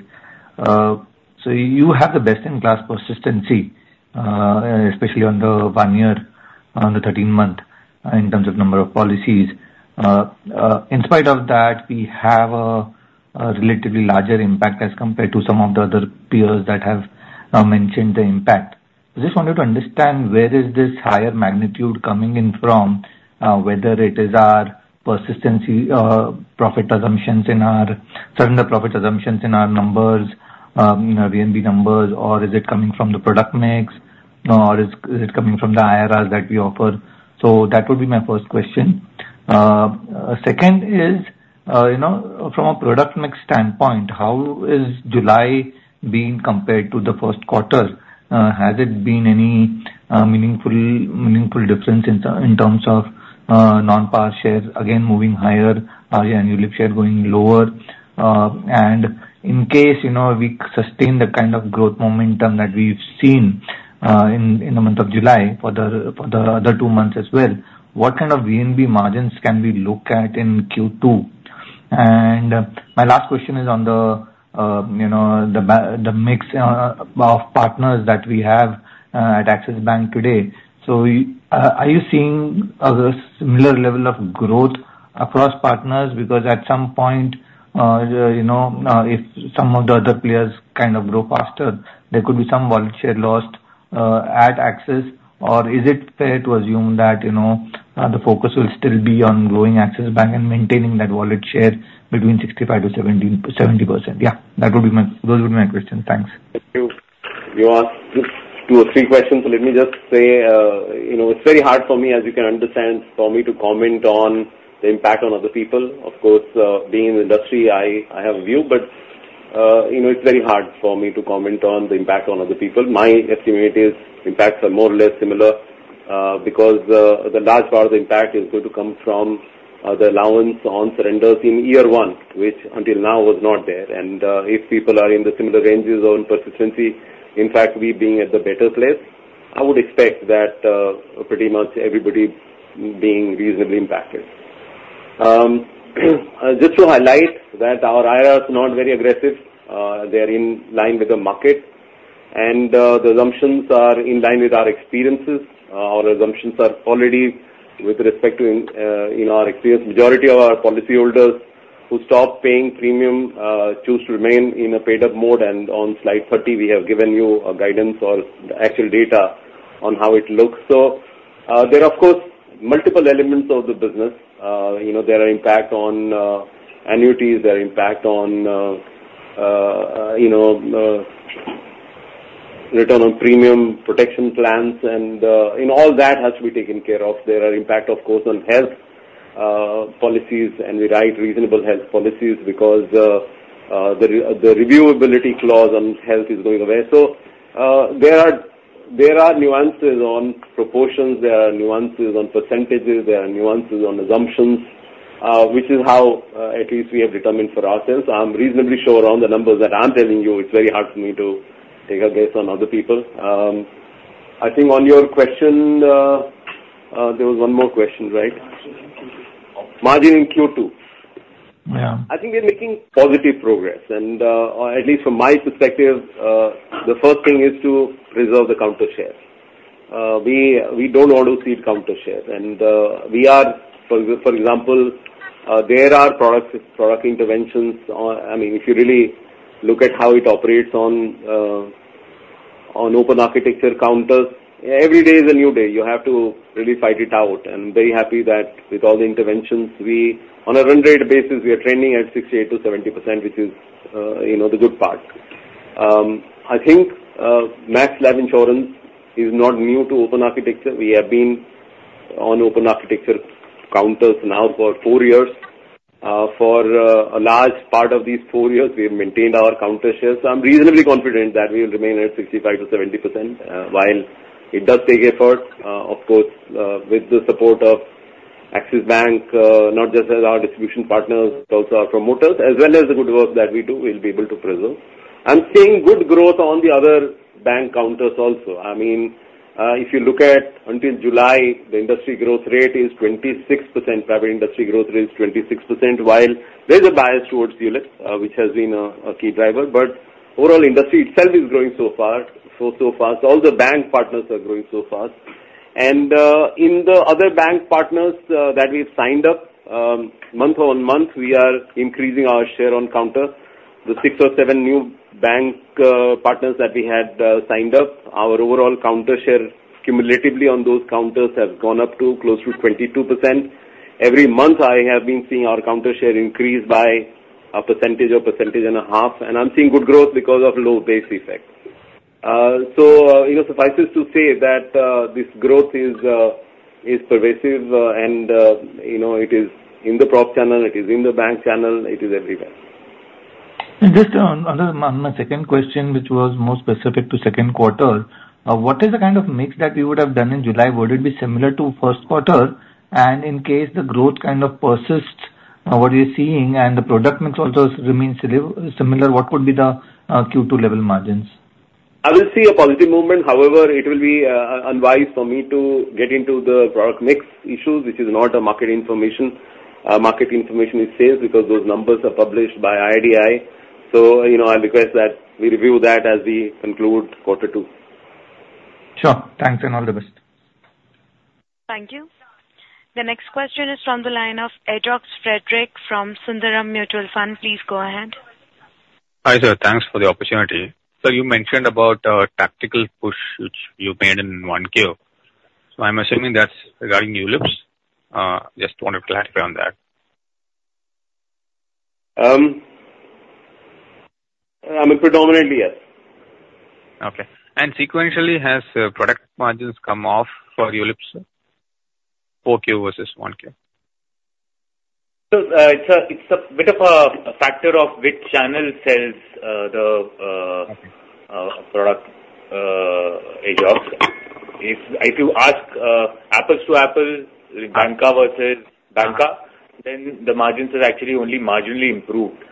So, you have the best-in-class persistency, especially on the one-year, on the 13th-month, in terms of number of policies. In spite of that, we have a, a relatively larger impact as compared to some of the other peers that have, mentioned the impact. I just wanted to understand where is this higher magnitude coming in from, whether it is our persistency, profit assumptions in our--surrender profit assumptions in our numbers, you know, VNB numbers, or is it coming from the product mix, or is, is it coming from the IRRs that we offer? So that would be my first question. Second is, you know, from a product mix standpoint, how is July being compared to the first quarter? Has it been any meaningful difference in terms of non-par shares, again, moving higher, yeah, and ULIP share going lower? And in case, you know, we sustain the kind of growth momentum that we've seen in the month of July for the other two months as well, what kind of VNB margins can we look at in Q2? And my last question is on the, you know, the bancassurance mix of partners that we have at Axis Bank today. So, are you seeing a similar level of growth across partners? Because at some point, you know, if some of the other players kind of grow faster, there could be some wallet share lost, at Axis. Or is it fair to assume that, you know, the focus will still be on growing Axis Bank and maintaining that wallet share between 65%-70%? Yeah, that would be my, those would be my questions. Thanks. Thank you. You asked just two or three questions, so let me just say, you know, it's very hard for me, as you can understand, for me to comment on the impact on other people. Of course, being in the industry, I have a view, but, you know, it's very hard for me to comment on the impact on other people. My estimate is impacts are more or less similar, because the large part of the impact is going to come from the allowance on surrenders in year one, which until now was not there. And, if people are in the similar ranges on persistency, in fact, we being at the better place, I would expect that pretty much everybody being reasonably impacted. Just to highlight that our IRR is not very aggressive. They are in line with the market, and the assumptions are in line with our experiences. Our assumptions are already with respect to, in our experience, majority of our policyholders who stop paying premium choose to remain in a paid-up mode. And on slide 30, we have given you a guidance or the actual data on how it looks. So, there are, of course, multiple elements of the business. You know, there are impact on annuities, there are impact on you know, return of premium protection plans, and all that has to be taken care of. There are impact, of course, on health policies, and we write reasonable health policies because the renewability clause on health is going away. So, there are, there are nuances on proportions, there are nuances on percentages, there are nuances on assumptions, which is how, at least we have determined for ourselves. I'm reasonably sure on the numbers that I'm telling you, it's very hard for me to take a guess on other people. I think on your question, there was one more question, right? Margin in Q2. Margin in Q2. Yeah. I think we're making positive progress. Or at least from my perspective, the first thing is to preserve the counter shares. We don't want to cede counter shares. And we are, for example, there are products, product interventions. I mean, if you really look at how it operates on open architecture counters, every day is a new day. You have to really fight it out. I'm very happy that with all the interventions, we on a run rate basis, we are trending at 68%-70%, which is, you know, the good part. I think Max Life Insurance is not new to open architecture. We have been on open architecture counters now for four years. For a large part of these four years, we have maintained our counter shares. So I'm reasonably confident that we will remain at 65%-70%. While it does take effort, of course, wit the support of Axis Bank, not just as our distribution partners, but also our promoters, as well as the good work that we do, we'll be able to preserve. I'm seeing good growth on the other bank counters also. I mean, if you look at until July, the industry growth rate is 26%, private industry growth rate is 26%, while there's a bias towards ULIP, which has been a, a key driver. But overall, industry itself is growing so far, so, so fast. All the bank partners are growing so fast. And, in the other bank partners, that we've signed up, month-on-month, we are increasing our share on counter. The six or seven new bank, partners that we had, signed up, our overall counter share cumulatively on those counters has gone up to close to 22%. Every month, I have been seeing our counter share increase by 1% or 1.5%, and I'm seeing good growth because of low base effect. So, you know, suffices to say that, this growth is, is pervasive, and, you know, it is in the prop channel, it is in the bank channel, it is everywhere. And just on my second question, which was more specific to second quarter, what is the kind of mix that you would have done in July? Would it be similar to first quarter? And in case the growth kind of persists, what you're seeing and the product mix also remains similar, what would be the Q2 level margins? I will see a positive movement, however, it will be unwise for me to get into the product mix issue, which is not a market information. Market information is sales, because those numbers are published by IRDAI. So, you know, I request that we review that as we conclude quarter two. Sure. Thanks, and all the best. Thank you. The next question is from the line of Ajox Frederick from Sundaram Mutual Fund. Please go ahead. Hi, sir. Thanks for the opportunity. So you mentioned about a tactical push which you made in 1Q. So I'm assuming that's regarding ULIPs? Just wanted to clarify on that. Predominantly, yes. Okay. And sequentially, has product margins come off for ULIPs, sir, 4Q versus 1Q? So, it's a bit of a factor of which channel sells the product, Ajox. If you ask apples to apples, banca versus banca, then the margins have actually only marginally improved-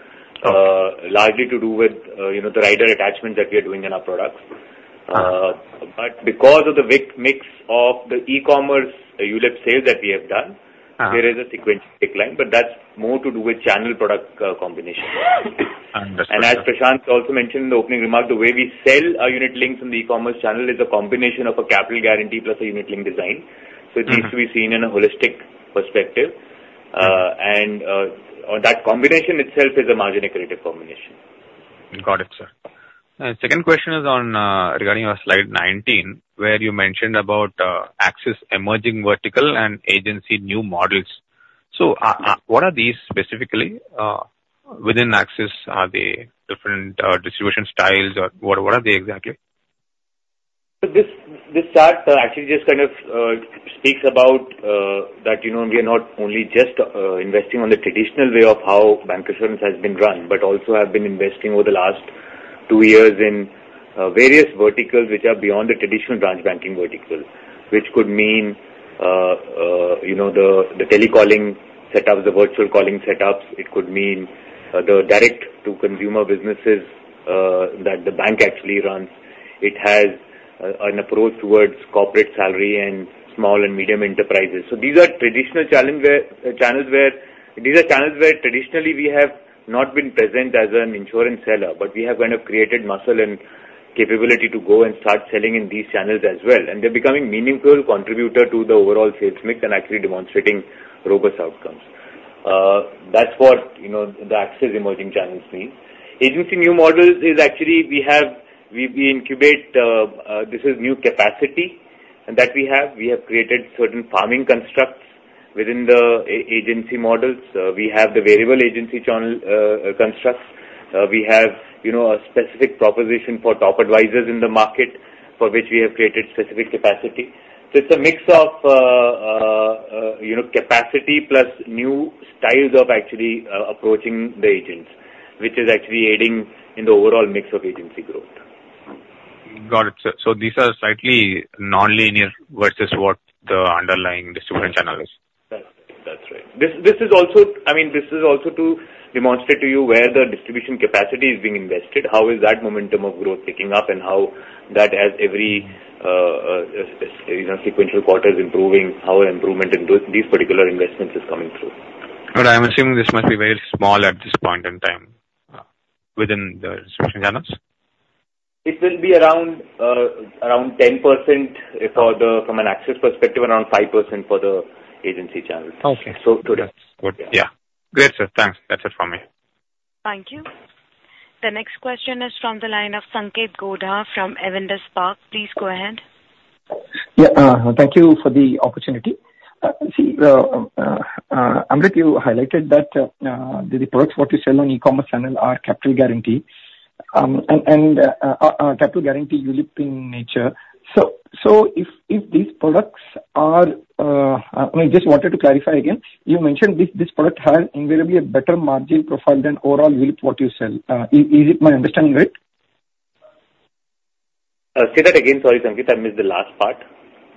Okay. Largely to do with, you know, the rider attachment that we are doing in our products. Uh. But because of the mix of the e-commerce ULIP sales that we have done- Uh. There is a sequential decline, but that's more to do with channel product combination. I understand. As Prashant also mentioned in the opening remark, the way we sell our unit links in the e-commerce channel is a combination of a capital guarantee plus a unit link design. Mm-hmm. So it needs to be seen in a holistic perspective. On that combination itself is a margin accretive combination. Got it, sir. Second question is on regarding our slide 19, where you mentioned about Axis Emerging Vertical and Agency New Models. So what are these specifically within Axis? Are they different distribution styles or what, what are they exactly? So this chart actually just kind of speaks about that, you know, we are not only just investing on the traditional way of how bancassurance has been run, but also have been investing over the last two years in various verticals which are beyond the traditional branch banking vertical. Which could mean you know, the telecalling setups, the virtual calling setups. It could mean the direct to consumer businesses that the bank actually runs. It has an approach towards corporate salary and small and medium enterprises. So these are traditional channels where traditionally we have not been present as an insurance seller, but we have kind of created muscle and capability to go and start selling in these channels as well. They're becoming meaningful contributor to the overall sales mix and actually demonstrating robust outcomes. That's what, you know, the Axis emerging channels mean. Agency New Models is actually we have. We incubate this new capacity that we have. We have created certain farming constructs within the agency models. We have the variable agency channel constructs. We have, you know, a specific proposition for top advisors in the market, for which we have created specific capacity. So it's a mix of, you know, capacity plus new styles of actually approaching the agents, which is actually aiding in the overall mix of agency growth. Got it, sir. So these are slightly nonlinear versus what the underlying distribution channel is? That's right. This is also, I mean, this is also to demonstrate to you where the distribution capacity is being invested, how is that momentum of growth picking up, and how that as every, you know, sequential quarter is improving, our improvement in those—these particular investments is coming through. But I'm assuming this must be very small at this point in time, within the distribution channels? It will be around, around 10% for the... from an Axis perspective, around 5% for the agency channels. Okay. So today. Good. Yeah. Great, sir. Thanks. That's it from me. Thank you. The next question is from the line of Sanketh Godha from Avendus Spark. Please go ahead. Yeah, thank you for the opportunity. See, Amrit, you highlighted that the products what you sell on e-commerce channel are capital guarantee, and capital guarantee ULIP in nature. So, if these products are, I mean, just wanted to clarify again, you mentioned this product has invariably a better margin profile than overall ULIP what you sell. Is it my understanding right?... say that again. Sorry, Sanketh, I missed the last part.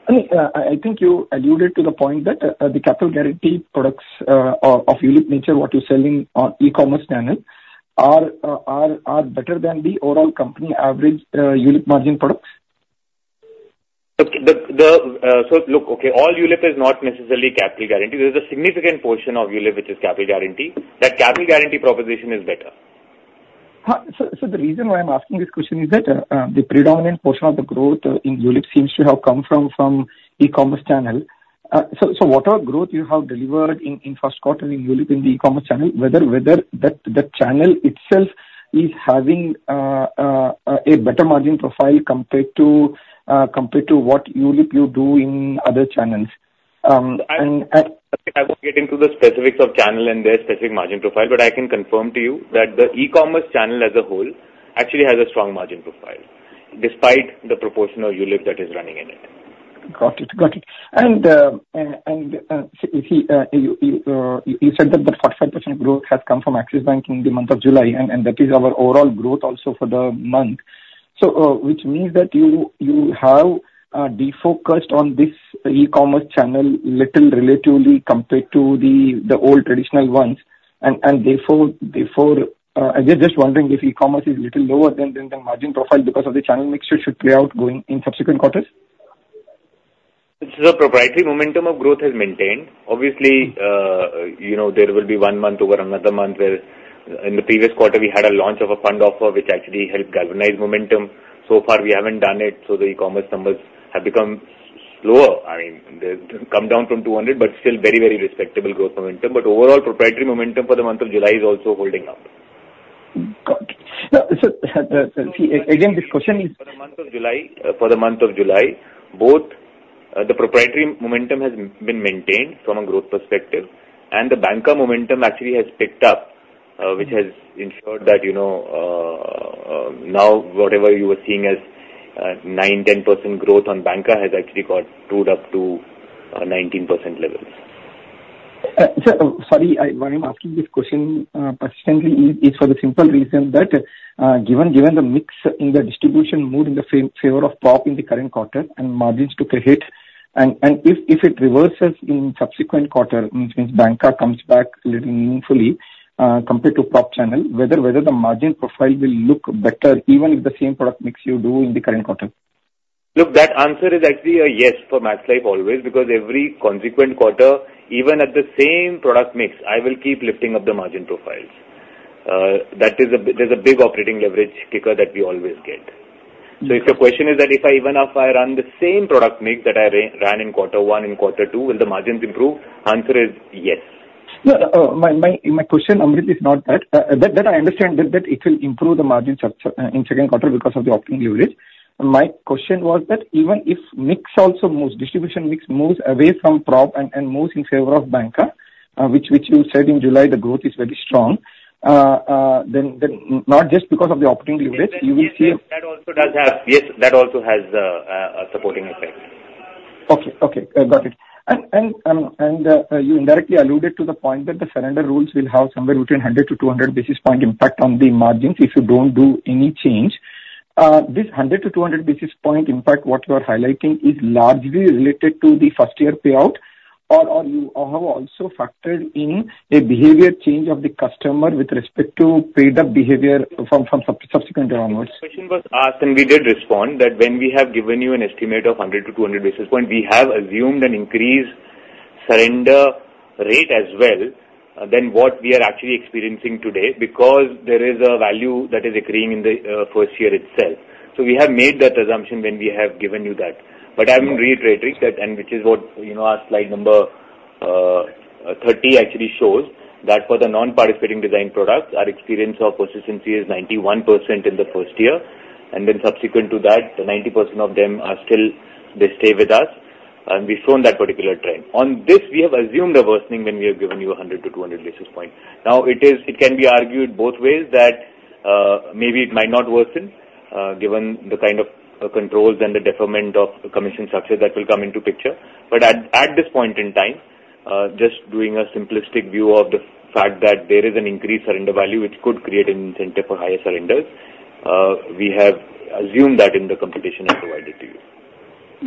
I think you alluded to the point that the capital guarantee products of ULIP nature, what you're selling on e-commerce channel, are better than the overall company average ULIP margin products? Okay. So look, okay, all ULIP is not necessarily capital guarantee. There is a significant portion of ULIP, which is capital guarantee. That capital guarantee proposition is better. So, the reason why I'm asking this question is that, the predominant portion of the growth in ULIP seems to have come from e-commerce channel. So what growth you have delivered in first quarter in ULIP in the e-commerce channel, whether that channel itself is having a better margin profile compared to what ULIP you do in other channels? And, and- I won't get into the specifics of channel and their specific margin profile, but I can confirm to you that the e-commerce channel as a whole actually has a strong margin profile, despite the proportion of ULIP that is running in it. Got it. Got it. And so if you said that the 45% growth has come from Axis Bank in the month of July, and that is our overall growth also for the month. So, which means that you have defocused on this e-commerce channel little relatively compared to the old traditional ones. And therefore, I'm just wondering if e-commerce is little lower than the margin profile because of the channel mixture should play out going in subsequent quarters? So the proprietary momentum of growth has maintained. Obviously, you know, there will be one month over another month where, in the previous quarter we had a launch of a fund offer, which actually helped galvanize momentum. So far, we haven't done it, so the e-commerce numbers have become slower. I mean, they've come down from 200, but still very, very respectable growth momentum. But overall, proprietary momentum for the month of July is also holding up. Got it. So, so again, this question is- For the month of July, both the proprietary momentum has been maintained from a growth perspective, and the banca momentum actually has picked up, which has ensured that, you know, now whatever you were seeing as 9%-10% growth on banca has actually got tuned up to 19% levels. Sir, sorry, why I'm asking this question persistently is for the simple reason that, given the mix in the distribution moved in the favor of prop in the current quarter and margins took a hit. If it reverses in subsequent quarter, which means banca comes back little meaningfully, compared to prop channel, whether the margin profile will look better, even if the same product mix you do in the current quarter? Look, that answer is actually a yes for Max Life always, because every consequent quarter, even at the same product mix, I will keep lifting up the margin profiles. There's a big operating leverage kicker that we always get. So if the question is that if I, even if I run the same product mix that I ran in quarter one, in quarter two, will the margins improve? Answer is yes. No, my question, Amrit, is not that. That I understand that it will improve the margin structure in second quarter because of the operating leverage. My question was that even if mix also moves, distribution mix moves away from prop and moves in favor of banca, which you said in July, the growth is very strong. Not just because of the operating leverage, you will see- That also does have... Yes, that also has a supporting effect. Okay. Okay, got it. And you indirectly alluded to the point that the surrender rules will have somewhere between 100-200 basis points impact on the margins if you don't do any change. This 100-200 basis points, in fact, what you are highlighting is largely related to the first-year payout, or you have also factored in a behavior change of the customer with respect to paid-up behavior from subsequently onwards. Question was asked and we did respond, that when we have given you an estimate of 100-200 basis points, we have assumed an increased surrender rate as well than what we are actually experiencing today, because there is a value that is accruing in the first year itself. So we have made that assumption when we have given you that. Okay. But I'm reiterating that, and which is what, you know, our slide number 30 actually shows, that for the non-participating design products, our experience of persistency is 91% in the first year, and then subsequent to that, 90% of them are still, they stay with us, and we've shown that particular trend. On this, we have assumed a worsening when we have given you 100-200 basis points. Now, it is- it can be argued both ways, that, maybe it might not worsen, given the kind of, controls and the deferment of commission success that will come into picture. But at this point in time, just doing a simplistic view of the fact that there is an increased surrender value which could create an incentive for higher surrenders, we have assumed that in the computation I provided to you.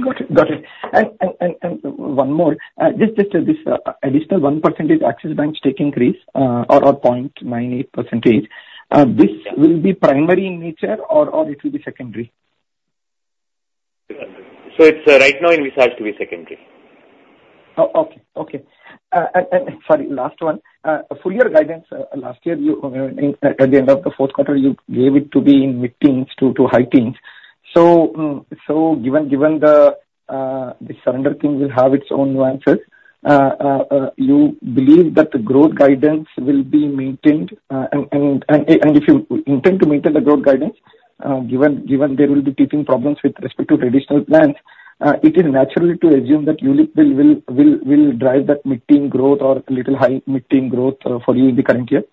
Got it, got it. And one more. Just this additional 1% Axis Bank stake increase, or 0.98%, this will be primary in nature or it will be secondary? So it's right now, we said to be secondary. Oh, okay. Okay. Sorry, last one. Full year guidance, last year, you in, at the end of the fourth quarter, you gave it to be in mid-teens to high teens. So, given the surrender thing will have its own nuances, you believe that the growth guidance will be maintained? And if you intend to maintain the growth guidance, given there will be teething problems with respect to traditional plans, it is natural to assume that ULIP will drive that mid-teen growth or little high mid-teen growth for you in the current year?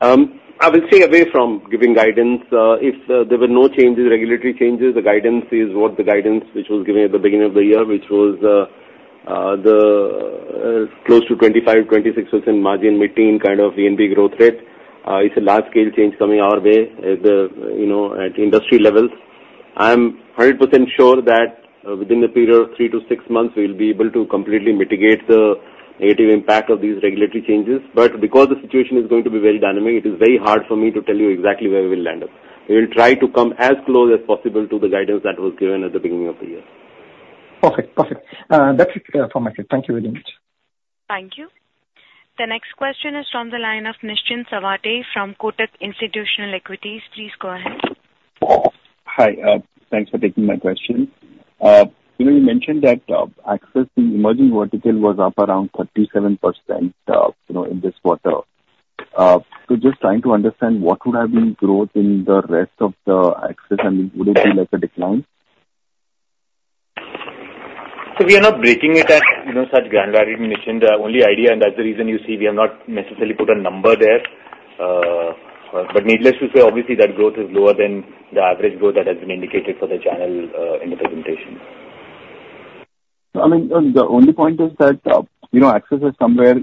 I will stay away from giving guidance. If there were no changes, regulatory changes, the guidance is what the guidance which was given at the beginning of the year, which was the close to 25-26% margin mid-teen kind of VNB growth rate. It's a large-scale change coming our way at the, you know, at industry levels. I'm 100% sure that within a period of 3-6 months, we'll be able to completely mitigate the negative impact of these regulatory changes, but because the situation is going to be very dynamic, it is very hard for me to tell you exactly where we will land up. We will try to come as close as possible to the guidance that was given at the beginning of the year. Perfect. Perfect. That's it from my side. Thank you very much. Thank you. The next question is from the line of Nischint Chawathe from Kotak Institutional Equities. Please go ahead. Hi. Thanks for taking my question. You know, you mentioned that Axis, the emerging vertical was up around 37%, you know, in this quarter. So just trying to understand, what would have been growth in the rest of the Axis, and would it be like a decline? So we are not breaking it at, you know, such granularity, Nischint. The only idea, and that's the reason you see we have not necessarily put a number there, but needless to say, obviously that growth is lower than the average growth that has been indicated for the channel, in the presentation. I mean, the only point is that, you know, Axis is somewhere,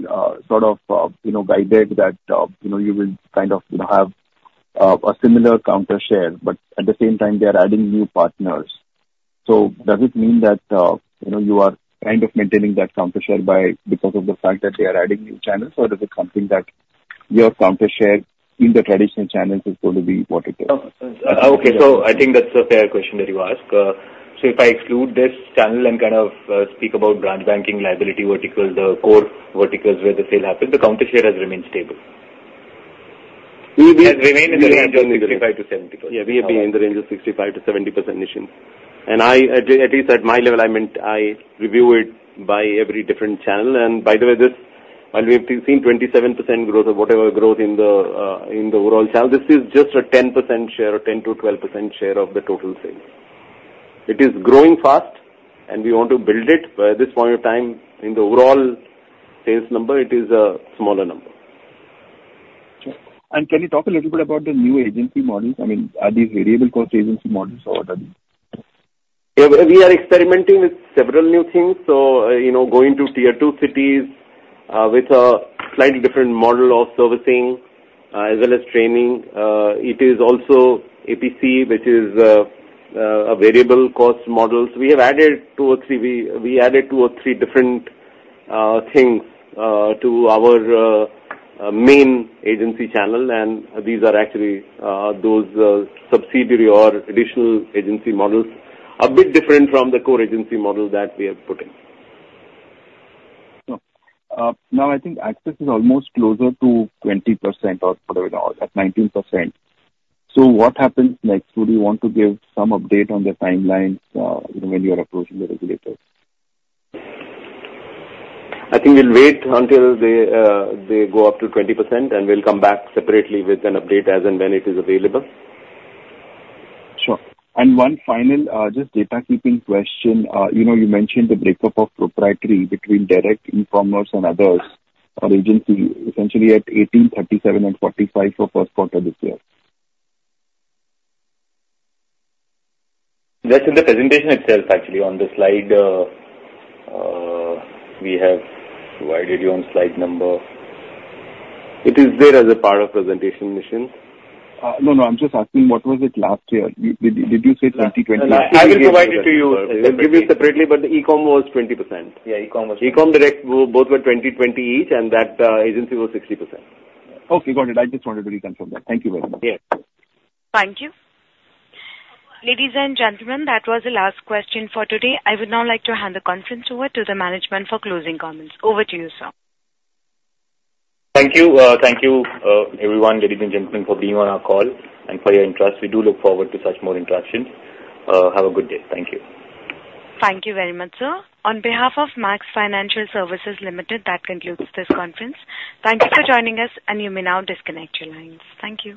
sort of, you know, guided that, you know, you will kind of, you know, have a similar counter share, but at the same time, they are adding new partners. So does it mean that, you know, you are kind of maintaining that counter share by because of the fact that they are adding new channels, or is it something that your counter share in the traditional channels is going to be what it is? Okay. So I think that's a fair question that you ask. So if I exclude this channel and kind of speak about branch banking liability verticals, the core verticals where the sale happened, the counter share has remained stable. It has remained in the range of 65%-70%? Yeah, we have been in the range of 65%-70%, Nischint. And I, at least at my level, I mean I review it by every different channel, and by the way, this, while we've seen 27% growth or whatever growth in the overall channel, this is just a 10% share, or 10%-12% share of the total sales. It is growing fast, and we want to build it. By this point of time, in the overall sales number, it is a smaller number. Sure. And can you talk a little bit about the new agency models? I mean, are these variable cost agency models or what are these? Yeah, we are experimenting with several new things. So, you know, going to tier two cities, with a slightly different model of servicing, as well as training. It is also APC, which is, a variable cost model. So we have added two or three... We added two or three different things, to our main agency channel, and these are actually those subsidiary or additional agency models. A bit different from the core agency model that we have put in. Sure. Now, I think Axis is almost closer to 20% or further at 19%. So what happens next? Would you want to give some update on the timelines, you know, when you are approaching the regulators? I think we'll wait until they, they go up to 20%, and we'll come back separately with an update as and when it is available. Sure. And one final, just data keeping question. You know, you mentioned the breakup of proprietary between direct, e-commerce and others or agency, essentially at 18%, 37%, and 45% for first quarter this year. That's in the presentation itself, actually, on the slide, we have provided you on slide number... It is there as a part of presentation, Nischint. No, no, I'm just asking, what was it last year? Did you say 20%, 20%? I will provide it to you. Let me give you separately, but the e-com was 20%. Yeah, e-com was- E-com, direct, both were 20%, 20% each, and that agency was 60%. Okay, got it. I just wanted to reconfirm that. Thank you very much. Yes. Thank you. Ladies and gentlemen, that was the last question for today. I would now like to hand the conference over to the management for closing comments. Over to you, sir. Thank you. Thank you, everyone, ladies and gentlemen, for being on our call and for your interest. We do look forward to such more interactions. Have a good day. Thank you. Thank you very much, sir. On behalf of Max Financial Services Limited, that concludes this conference. Thank you for joining us, and you may now disconnect your lines. Thank you.